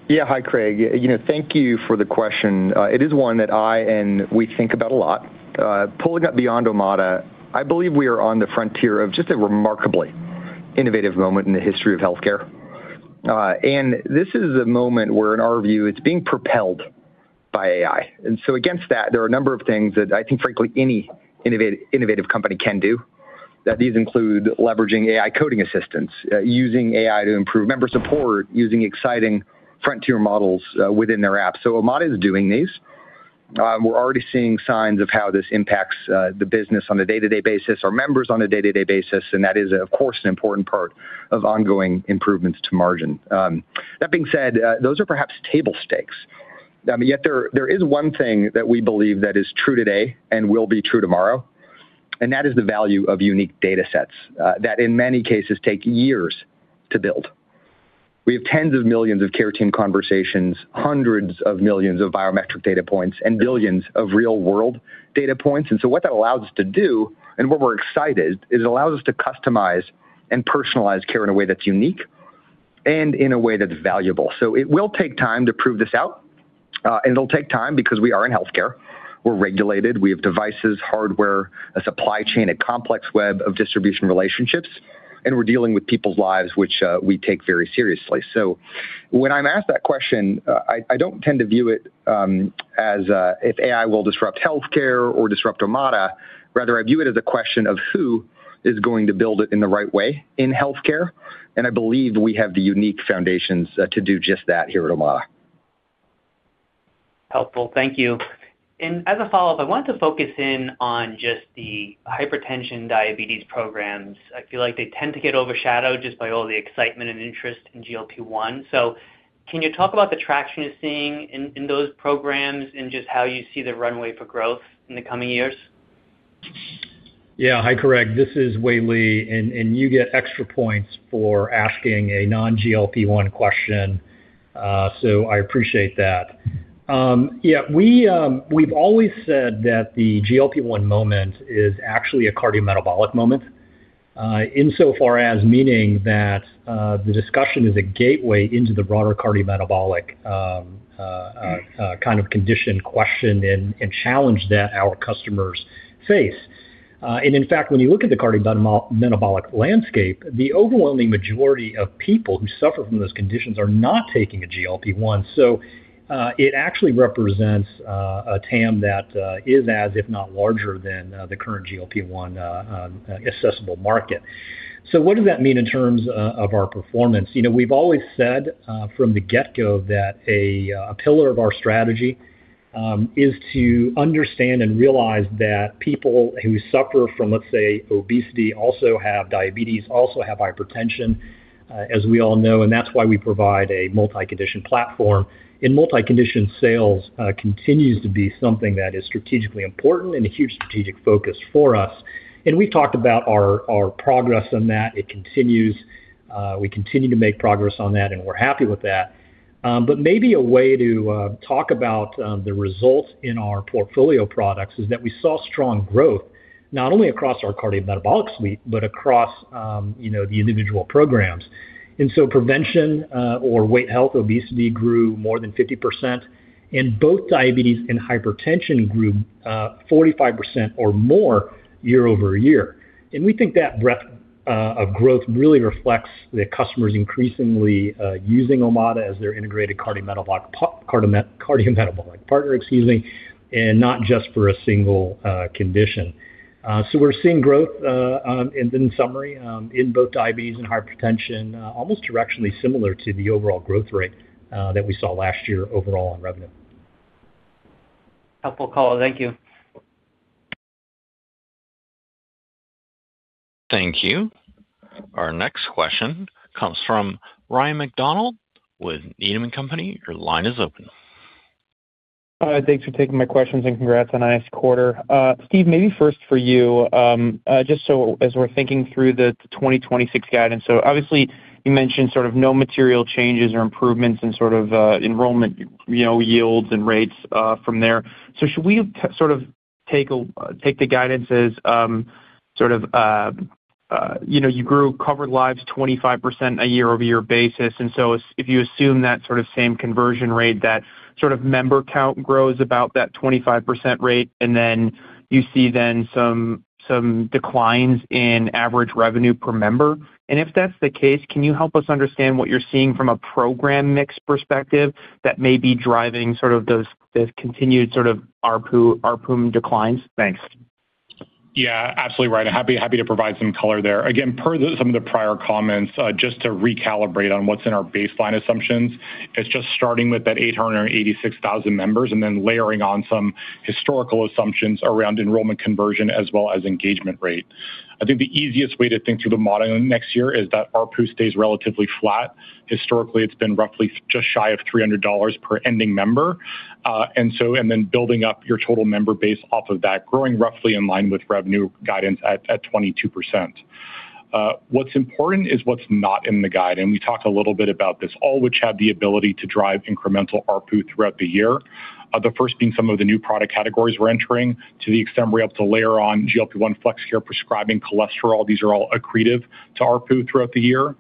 Yeah. Hi, Craig. You know, thank you for the question. It is one that I and we think about a lot. Pulling up beyond Omada, I believe we are on the frontier of just a remarkably innovative moment in the history of healthcare. This is a moment where, in our view, it's being propelled by AI. Against that, there are a number of things that I think frankly any innovative company can do. That these include leveraging AI coding assistance, using AI to improve member support, using exciting frontier models within their app. Omada is doing these. We're already seeing signs of how this impacts the business on a day-to-day basis, our members on a day-to-day basis, and that is, of course, an important part of ongoing improvements to margin. That being said, those are perhaps table stakes. Yet there is one thing that we believe that is true today and will be true tomorrow, and that is the value of unique data sets that in many cases take years to build. We have tens of millions of care team conversations, hundreds of millions of biometric data points, and billions of real-world data points. What that allows us to do, and what we're excited, is it allows us to customize and personalize care in a way that's unique In a way that's valuable. It will take time to prove this out, and it'll take time because we are in healthcare. We're regulated, we have devices, hardware, a supply chain, a complex web of distribution relationships, and we're dealing with people's lives, which we take very seriously. When I'm asked that question, I don't tend to view it as if AI will disrupt healthcare or disrupt Omada. Rather, I view it as a question of who is going to build it in the right way in healthcare, and I believe we have the unique foundations to do just that here at Omada. Helpful. Thank you. As a follow-up, I want to focus in on just the hypertension diabetes programs. I feel like they tend to get overshadowed just by all the excitement and interest in GLP-1. Can you talk about the traction you're seeing in those programs and just how you see the runway for growth in the coming years? Yeah. Hi, Craig, this is Wei-Li, and you get extra points for asking a non-GLP-1 question. I appreciate that. Yeah, we've always said that the GLP-1 moment is actually a cardiometabolic moment, insofar as meaning that the discussion is a gateway into the broader cardiometabolic kind of condition question and challenge that our customers face. In fact, when you look at the cardiometabolic landscape, the overwhelming majority of people who suffer from those conditions are not taking a GLP-1. It actually represents a TAM that is as, if not larger than, the current GLP-1 accessible market. What does that mean in terms of our performance? You know, we've always said, from the get-go that a pillar of our strategy is to understand and realize that people who suffer from, let's say, obesity, also have diabetes, also have hypertension, as we all know, and that's why we provide a multi-condition platform. Multi-condition sales continues to be something that is strategically important and a huge strategic focus for us. We've talked about our progress on that. It continues. We continue to make progress on that, and we're happy with that. Maybe a way to talk about the results in our portfolio products is that we saw strong growth not only across our cardiometabolic suite, but across, you know, the individual programs. Prevention, or weight health, obesity grew more than 50%, and both diabetes and hypertension grew 45% or more year-over-year. We think that breadth of growth really reflects the customers increasingly using Omada as their integrated cardiometabolic partner, excuse me, and not just for a single condition. We're seeing growth in summary, in both diabetes and hypertension, almost directionally similar to the overall growth rate that we saw last year overall on revenue. Helpful color. Thank you. Thank you. Our next question comes from Ryan MacDonald with Needham & Company. Your line is open. Thanks for taking my questions. Congrats on a nice quarter. Steve, maybe first for you. Just as we're thinking through the 2026 guidance. Obviously you mentioned sort of no material changes or improvements in sort of enrollment, you know, yields and rates from there. Should we sort of take the guidances, sort of, you know, you grew covered lives 25% a year-over-year basis, if you assume that sort of same conversion rate, that sort of member count grows about that 25% rate, then you see some declines in average revenue per member. If that's the case, can you help us understand what you're seeing from a program mix perspective that may be driving sort of those continued sort of ARPU declines? Thanks. Yeah, absolutely. Ryan. Happy to provide some color there. Again, per some of the prior comments, just to recalibrate on what's in our baseline assumptions, it's just starting with that 886,000 members and then layering on some historical assumptions around enrollment conversion as well as engagement rate. I think the easiest way to think through the modeling next year is that ARPU stays relatively flat. Historically, it's been roughly just shy of $300 per ending member. Then building up your total member base off of that, growing roughly in line with revenue guidance at 22%. What's important is what's not in the guide, and we talked a little bit about this, all which have the ability to drive incremental ARPU throughout the year. The first being some of the new product categories we're entering to the extent we're able to layer on GLP-1, Flex Care, prescribing cholesterol. These are all accretive to ARPU throughout the year.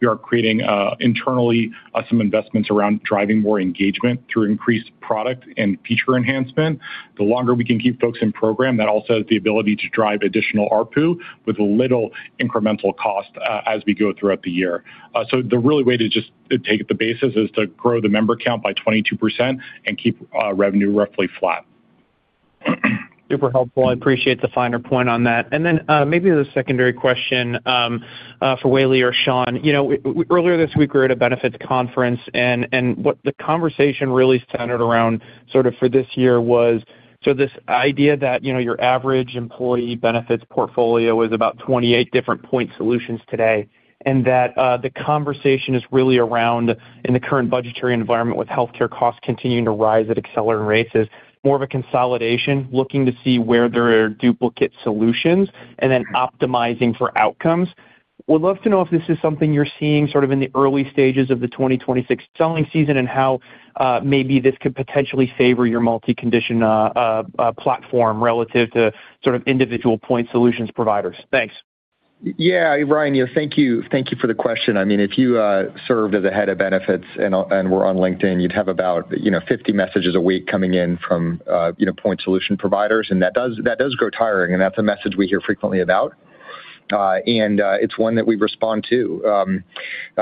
We are creating internally some investments around driving more engagement through increased product and feature enhancement. The longer we can keep folks in program, that also has the ability to drive additional ARPU with little incremental cost as we go throughout the year. The really way to just take it the basis is to grow the member count by 22% and keep revenue roughly flat. Super helpful. I appreciate the finer point on that. Then, maybe as a secondary question for Wei-Li or Sean. You know, earlier this week we were at a benefits conference, and what the conversation really centered around sort of for this year was, so this idea that, you know, your average employee benefits portfolio is about 28 different point solutions today, and that the conversation is really around in the current budgetary environment with healthcare costs continuing to rise at accelerating rates, is more of a consolidation, looking to see where there are duplicate solutions and then optimizing for outcomes. Would love to know if this is something you're seeing sort of in the early stages of the 2026 selling season and how maybe this could potentially favor your multi-condition platform relative to sort of individual point solutions providers. Thanks. Yeah. Ryan, thank you. Thank you for the question. I mean, if you served as a head of benefits and we're on LinkedIn, you'd have about, you know, 50 messages a week coming in from, you know, point solution providers, and that does grow tiring, and that's a message we hear frequently about. It's one that we respond to.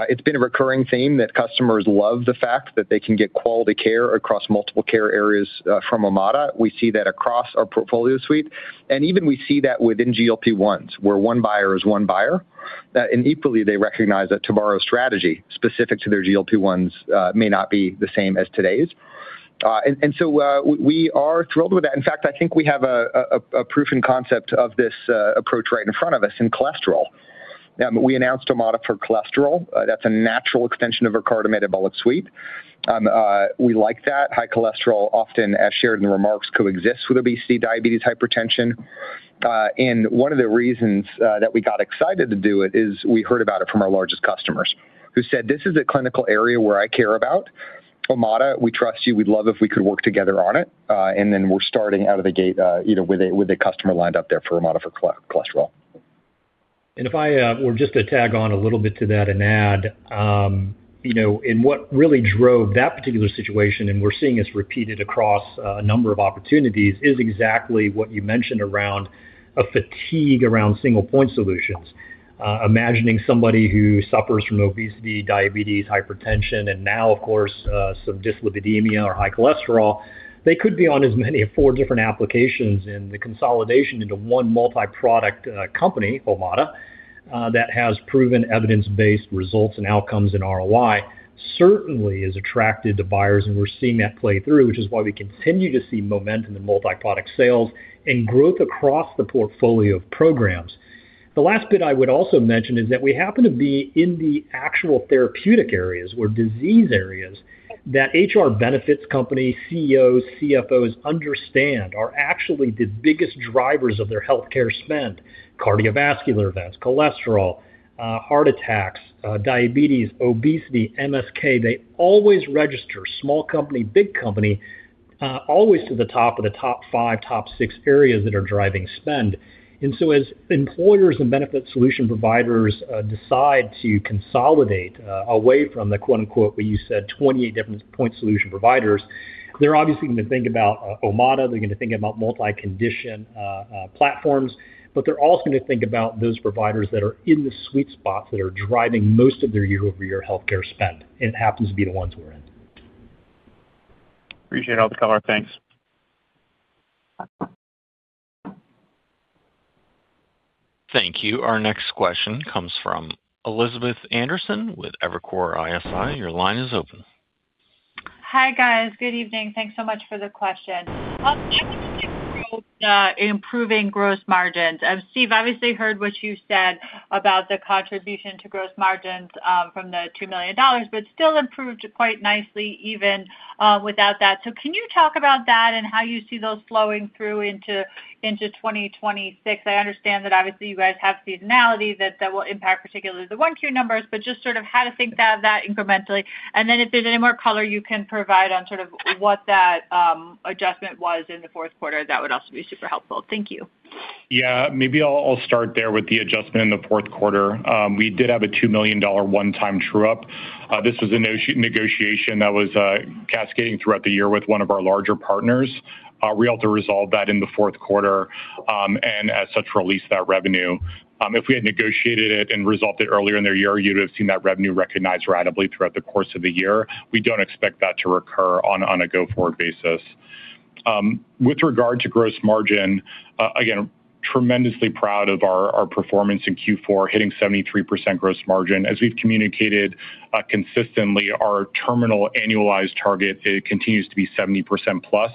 It's been a recurring theme that customers love the fact that they can get quality care across multiple care areas from Omada. We see that across our portfolio suite, and even we see that within GLP-1s, where one buyer is one buyer, and equally they recognize that tomorrow's strategy specific to their GLP-1s may not be the same as today's. We are thrilled with that. In fact, I think we have a proof in concept of this approach right in front of us in cholesterol. We announced Omada for Cholesterol. That's a natural extension of our cardiometabolic suite. We like that. High cholesterol, often as shared in remarks, coexist with obesity, diabetes, hypertension. One of the reasons that we got excited to do it is we heard about it from our largest customers who said, "This is a clinical area where I care about. Omada, we trust you. We'd love if we could work together on it." Then we're starting out of the gate either with a customer lined up there for Omada for Cholesterol. If I were just to tag on a little bit to that and add, you know, and what really drove that particular situation, and we're seeing this repeated across a number of opportunities, is exactly what you mentioned around a fatigue around single point solutions. Imagining somebody who suffers from obesity, diabetes, hypertension, and now of course, some dyslipidemia or high cholesterol, they could be on as many of four different applications, and the consolidation into one multi-product company, Omada, that has proven evidence-based results and outcomes in ROI, certainly has attracted the buyers, and we're seeing that play through, which is why we continue to see momentum in multi-product sales and growth across the portfolio of programs. The last bit I would also mention is that we happen to be in the actual therapeutic areas or disease areas that HR benefits companies, CEOs, CFOs understand are actually the biggest drivers of their healthcare spend. Cardiovascular events, cholesterol, heart attacks, diabetes, obesity, MSK. They always register, small company, big company, always to the top of the top five, top six areas that are driving spend. As employers and benefit solution providers decide to consolidate away from the quote-unquote, what you said, 28 different point solution providers, they're obviously going to think about Omada. They're going to think about multi-condition platforms. They're also going to think about those providers that are in the sweet spot that are driving most of their year-over-year healthcare spend, and it happens to be the ones we're in. Appreciate all the color. Thanks. Thank you. Our next question comes from Elizabeth Anderson with Evercore ISI. Your line is open. Hi, guys. Good evening. Thanks so much for the questions. Improving gross margins. Steve, obviously heard what you said about the contribution to gross margins from the $2 million, but still improved quite nicely even without that. Can you talk about that and how you see those flowing through into 2026? I understand that obviously you guys have seasonality that will impact particularly the 1Q numbers, but just sort of how to think of that incrementally. If there's any more color you can provide on sort of what that adjustment was in the fourth quarter, that would also be super helpful. Thank you. Yeah. Maybe I'll start there with the adjustment in the fourth quarter. We did have a $2 million one-time true-up. This was a negotiation that was cascading throughout the year with one of our larger partners. We ought to resolve that in the fourth quarter, and as such, release that revenue. If we had negotiated it and resolved it earlier in their year, you'd have seen that revenue recognized ratably throughout the course of the year. We don't expect that to recur on a go-forward basis. With regard to gross margin, again, tremendously proud of our performance in Q4, hitting 73% gross margin. As we've communicated consistently, our terminal annualized target, it continues to be 70%+.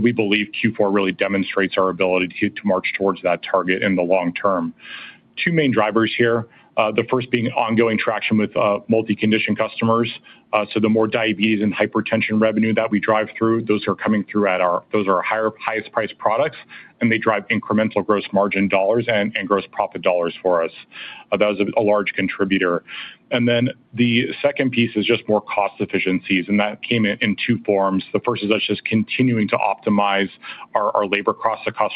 We believe Q4 really demonstrates our ability to march towards that target in the long term. Two main drivers here. The first being ongoing traction with multi-condition customers. The more diabetes and hypertension revenue that we drive through, those are coming through those are our higher, highest priced products, and they drive incremental gross margin dollars and gross profit dollars for us. That was a large contributor. The second piece is just more cost efficiencies, and that came in in two forms. The first is us just continuing to optimize our labor costs across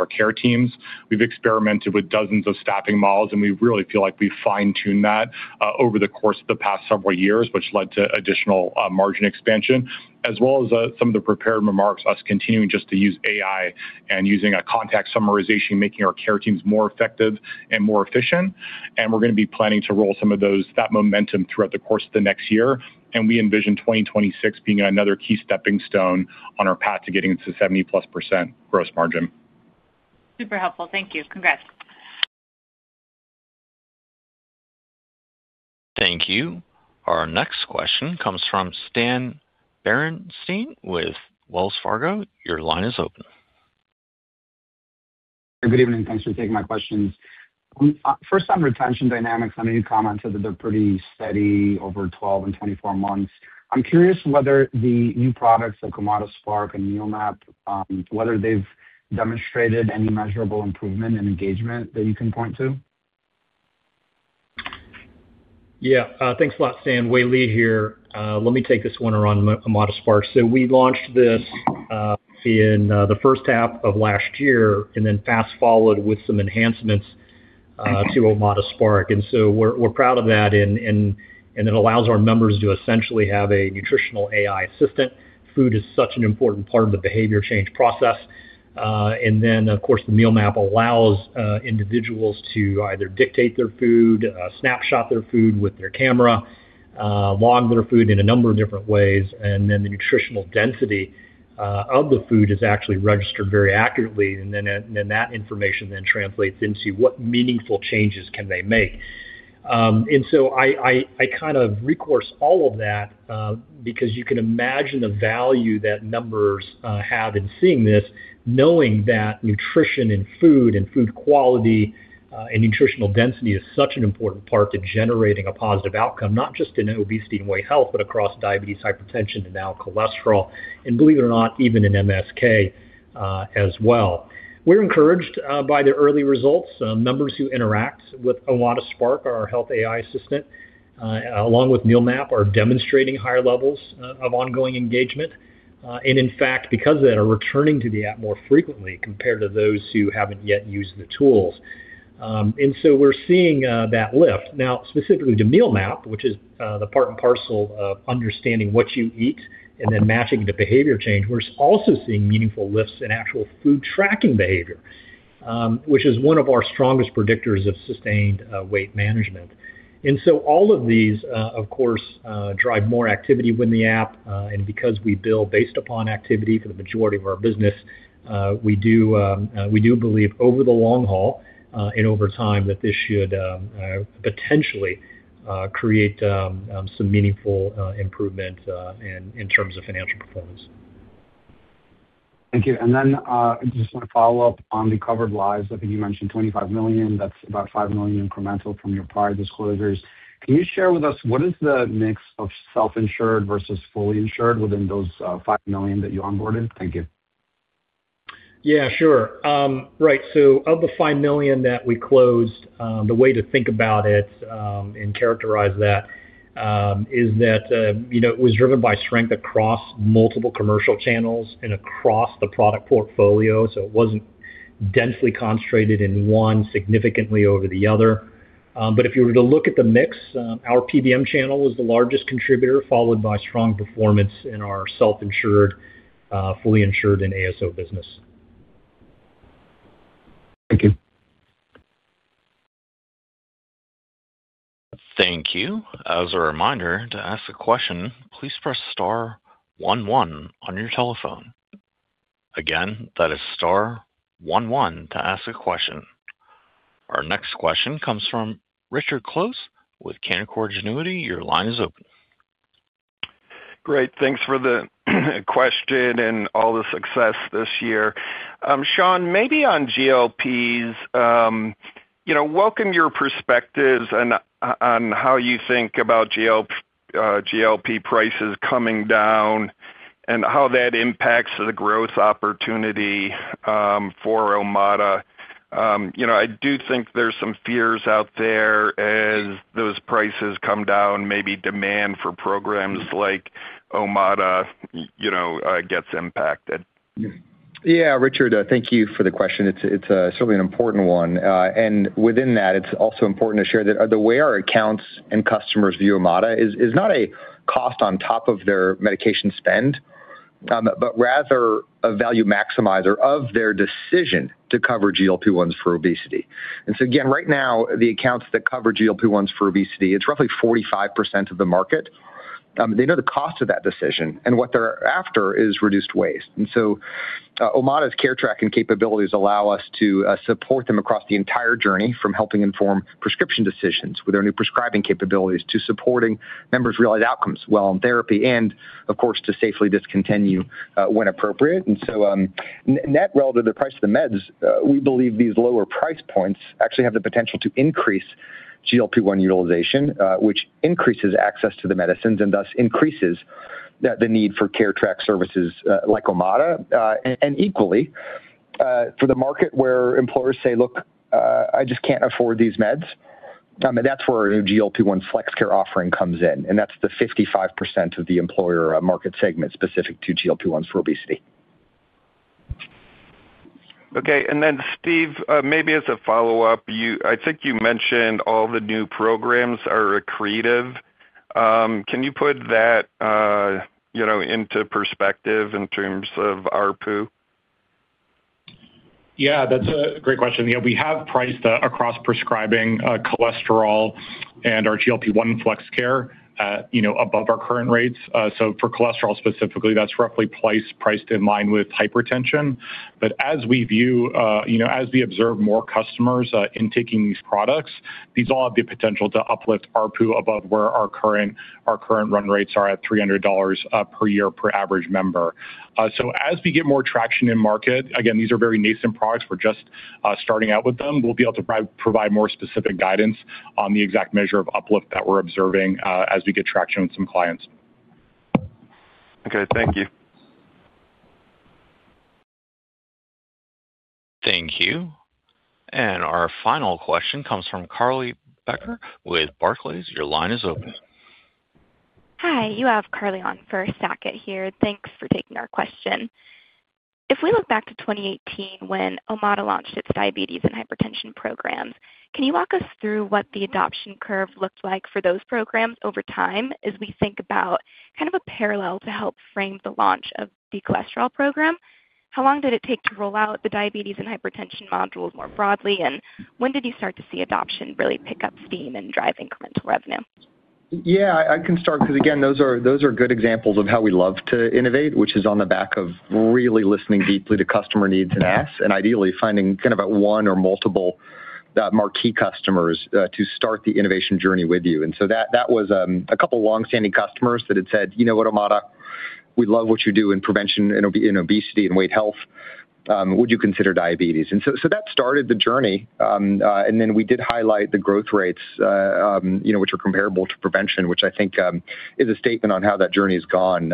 our care teams. We've experimented with dozens of staffing models, and we really feel like we fine-tuned that over the course of the past several years, which led to additional margin expansion, as well as some of the prepared remarks, us continuing just to use AI and using a contact summarization, making our care teams more effective and more efficient. We're gonna be planning to roll some of those, that momentum throughout the course of the next year. We envision 2026 being another key stepping stone on our path to getting to 70%+ gross margin. Super helpful. Thank you. Congrats. Thank you. Our next question comes from Stan Berenshteyn with Wells Fargo. Your line is open. Good evening. Thanks for taking my questions. First on retention dynamics, I mean, you commented that they're pretty steady over 12 and 24 months. I'm curious whether the new products like OmadaSpark and Meal Map, whether they've demonstrated any measurable improvement in engagement that you can point to? Yeah. Thanks a lot, Stan. Wei-Li here. Let me take this one around OmadaSpark. We launched this in the first half of last year and then fast followed with some enhancements to OmadaSpark. We're proud of that and it allows our members to essentially have a nutritional AI assistant. Food is such an important part of the behavior change process. Of course, the Meal Map allows individuals to either dictate their food, snapshot their food with their camera, log their food in a number of different ways, and then the nutritional density of the food is actually registered very accurately, and then that information then translates into what meaningful changes can they make. So I kind of recourse all of that, because you can imagine the value that members have in seeing this, knowing that nutrition and food and food quality and nutritional density is such an important part to generating a positive outcome, not just in obesity and weight health, but across diabetes, hypertension, and now cholesterol, and believe it or not, even in MSK as well. We're encouraged by the early results. Members who interact with OmadaSpark, our health AI assistant, along with Meal Map, are demonstrating higher levels of ongoing engagement. In fact, because of that, are returning to the app more frequently compared to those who haven't yet used the tools. So we're seeing that lift. Now, specifically to Meal Map, which is the part and parcel of understanding what you eat and then matching the behavior change, we're also seeing meaningful lifts in actual food tracking behavior, which is one of our strongest predictors of sustained weight management. All of these, of course, drive more activity within the app. Because we bill based upon activity for the majority of our business, we do believe over the long haul and over time, that this should potentially create some meaningful improvement in terms of financial performance. Thank you. I just wanna follow up on the covered lives. I think you mentioned 25 million. That's about 5 million incremental from your prior disclosures. Can you share with us what is the mix of self-insured versus fully insured within those, 5 million that you onboarded? Thank you. Yeah, sure. right. Of the 5 million that we closed, the way to think about it, and characterize that, you know, it was driven by strength across multiple commercial channels and across the product portfolio. It wasn't densely concentrated in one significantly over the other. If you were to look at the mix, our PBM channel was the largest contributor, followed by strong performance in our self-insured, fully insured and ASO business. Thank you. Thank you. As a reminder, to ask a question, please press star one one on your telephone. Again, that is star one one to ask a question. Our next question comes from Richard Close with Canaccord Genuity. Your line is open. Great. Thanks for the question and all the success this year. Sean, maybe on GLPs, you know, welcome your perspectives and on how you think about GLP prices coming down and how that impacts the growth opportunity for Omada. You know, I do think there's some fears out there as those prices come down, maybe demand for programs like Omada, you know, gets impacted. Yeah, Richard, thank you for the question. It's certainly an important one. Within that, it's also important to share that the way our accounts and customers view Omada is not a cost on top of their medication spend, but rather a value maximizer of their decision to cover GLP-1s for obesity. Again, right now, the accounts that cover GLP-1s for obesity, it's roughly 45% of the market. They know the cost of that decision, and what they're after is reduced waste. Omada's care tracking capabilities allow us to support them across the entire journey, from helping inform prescription decisions with our new prescribing capabilities to supporting members realize outcomes while on therapy and, of course, to safely discontinue when appropriate. Relative to the price of the meds, we believe these lower price points actually have the potential to increase GLP-1 utilization, which increases access to the medicines and thus increases the need for care track services, like Omada. Equally, for the market where employers say, "Look, I just can't afford these meds," that's where our new GLP-1 Flex Care offering comes in, and that's the 55% of the employer market segment specific to GLP-1s for obesity. Okay. Then, Steve, maybe as a follow-up, I think you mentioned all the new programs are accretive. Can you put that, you know, into perspective in terms of ARPU? That's a great question. We have priced across prescribing cholesterol and our GLP-1 Flex Care, you know, above our current rates. For cholesterol specifically, that's roughly priced in line with hypertension. As we view, you know, as we observe more customers in taking these products, these all have the potential to uplift ARPU above where our current run rates are at $300 per year per average member. As we get more traction in market, again, these are very nascent products. We're just starting out with them. We'll be able to provide more specific guidance on the exact measure of uplift that we're observing as we get traction with some clients. Okay. Thank you. Thank you. Our final question comes from Carly Becker with Barclays. Your line is open. Hi, you have Carly on for Saket here. Thanks for taking our question. If we look back to 2018 when Omada launched its diabetes and hypertension programs, can you walk us through what the adoption curve looked like for those programs over time as we think about kind of a parallel to help frame the launch of the cholesterol program? How long did it take to roll out the diabetes and hypertension modules more broadly, and when did you start to see adoption really pick up steam and drive incremental revenue? Yeah, I can start because again, those are good examples of how we love to innovate, which is on the back of really listening deeply to customer needs and asks and ideally finding kind of a one or multiple marquee customers to start the innovation journey with you. That was a couple long-standing customers that had said, "You know what, Omada? We love what you do in prevention in obesity and weight health. Would you consider diabetes?" That started the journey. Then we did highlight the growth rates, you know, which are comparable to prevention, which I think is a statement on how that journey has gone.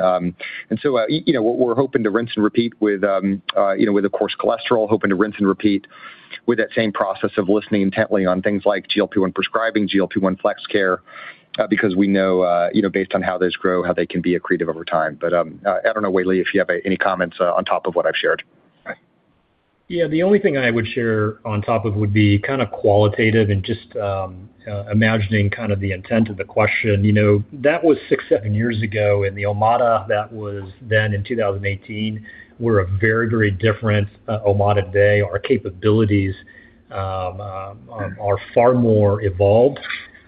You know, we're hoping to rinse and repeat with, you know, with, of course, cholesterol, hoping to rinse and repeat with that same process of listening intently on things like GLP-1 prescribing, GLP-1 Flex Care, because we know, you know, based on how those grow, how they can be accretive over time. I don't know, Wei-Li, if you have any comments on top of what I've shared. The only thing I would share on top of would be kind of qualitative and just imagining kind of the intent of the question. You know, that was six, seven years ago, and the Omada that was then in 2018, we're a very different Omada today. Our capabilities are far more evolved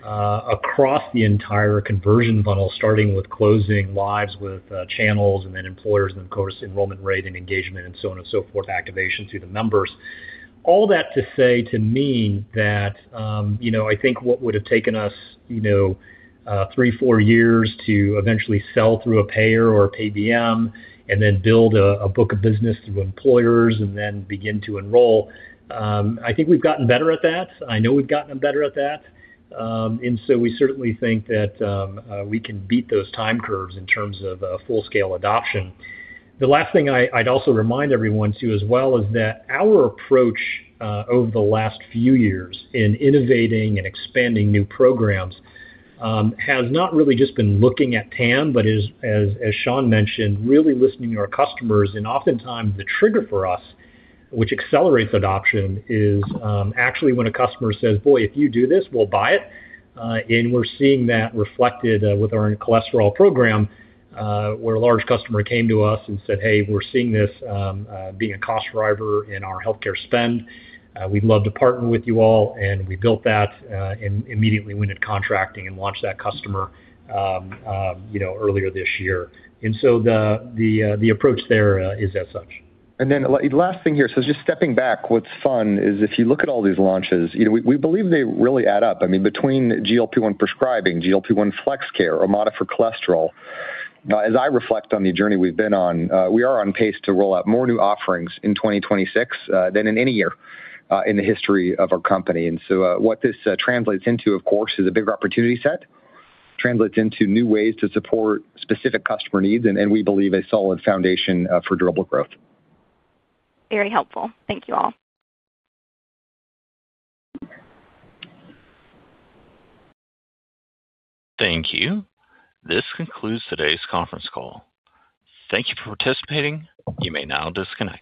across the entire conversion funnel, starting with closing lives with channels and then employers and of course, enrollment rate and engagement and so on and so forth, activation through the numbers. All that to say to me that, you know, I think what would have taken us, you know, three, four years to eventually sell through a payer or a PBM and then build a book of business through employers and then begin to enroll, I think we've gotten better at that. I know we've gotten better at that. So we certainly think that we can beat those time curves in terms of full-scale adoption. The last thing I'd also remind everyone to as well is that our approach over the last few years in innovating and expanding new programs has not really just been looking at TAM, but as Sean mentioned, really listening to our customers. Oftentimes the trigger for us, which accelerates adoption is actually when a customer says, "Boy, if you do this, we'll buy it." We're seeing that reflected with Omada for Cholesterol where a large customer came to us and said, "Hey, we're seeing this being a cost driver in our healthcare spend. We'd love to partner with you all." We built that and immediately went into contracting and launched that customer, you know, earlier this year. The approach there is as such. Last thing here. Just stepping back, what's fun is if you look at all these launches, you know, we believe they really add up. I mean, between GLP-1 prescribing, GLP-1 Flex Care, Omada for Cholesterol. As I reflect on the journey we've been on, we are on pace to roll out more new offerings in 2026 than in any year in the history of our company. What this translates into, of course, is a bigger opportunity set. Translates into new ways to support specific customer needs and we believe a solid foundation for durable growth. Very helpful. Thank you all. Thank you. This concludes today's conference call. Thank you for participating. You may now disconnect.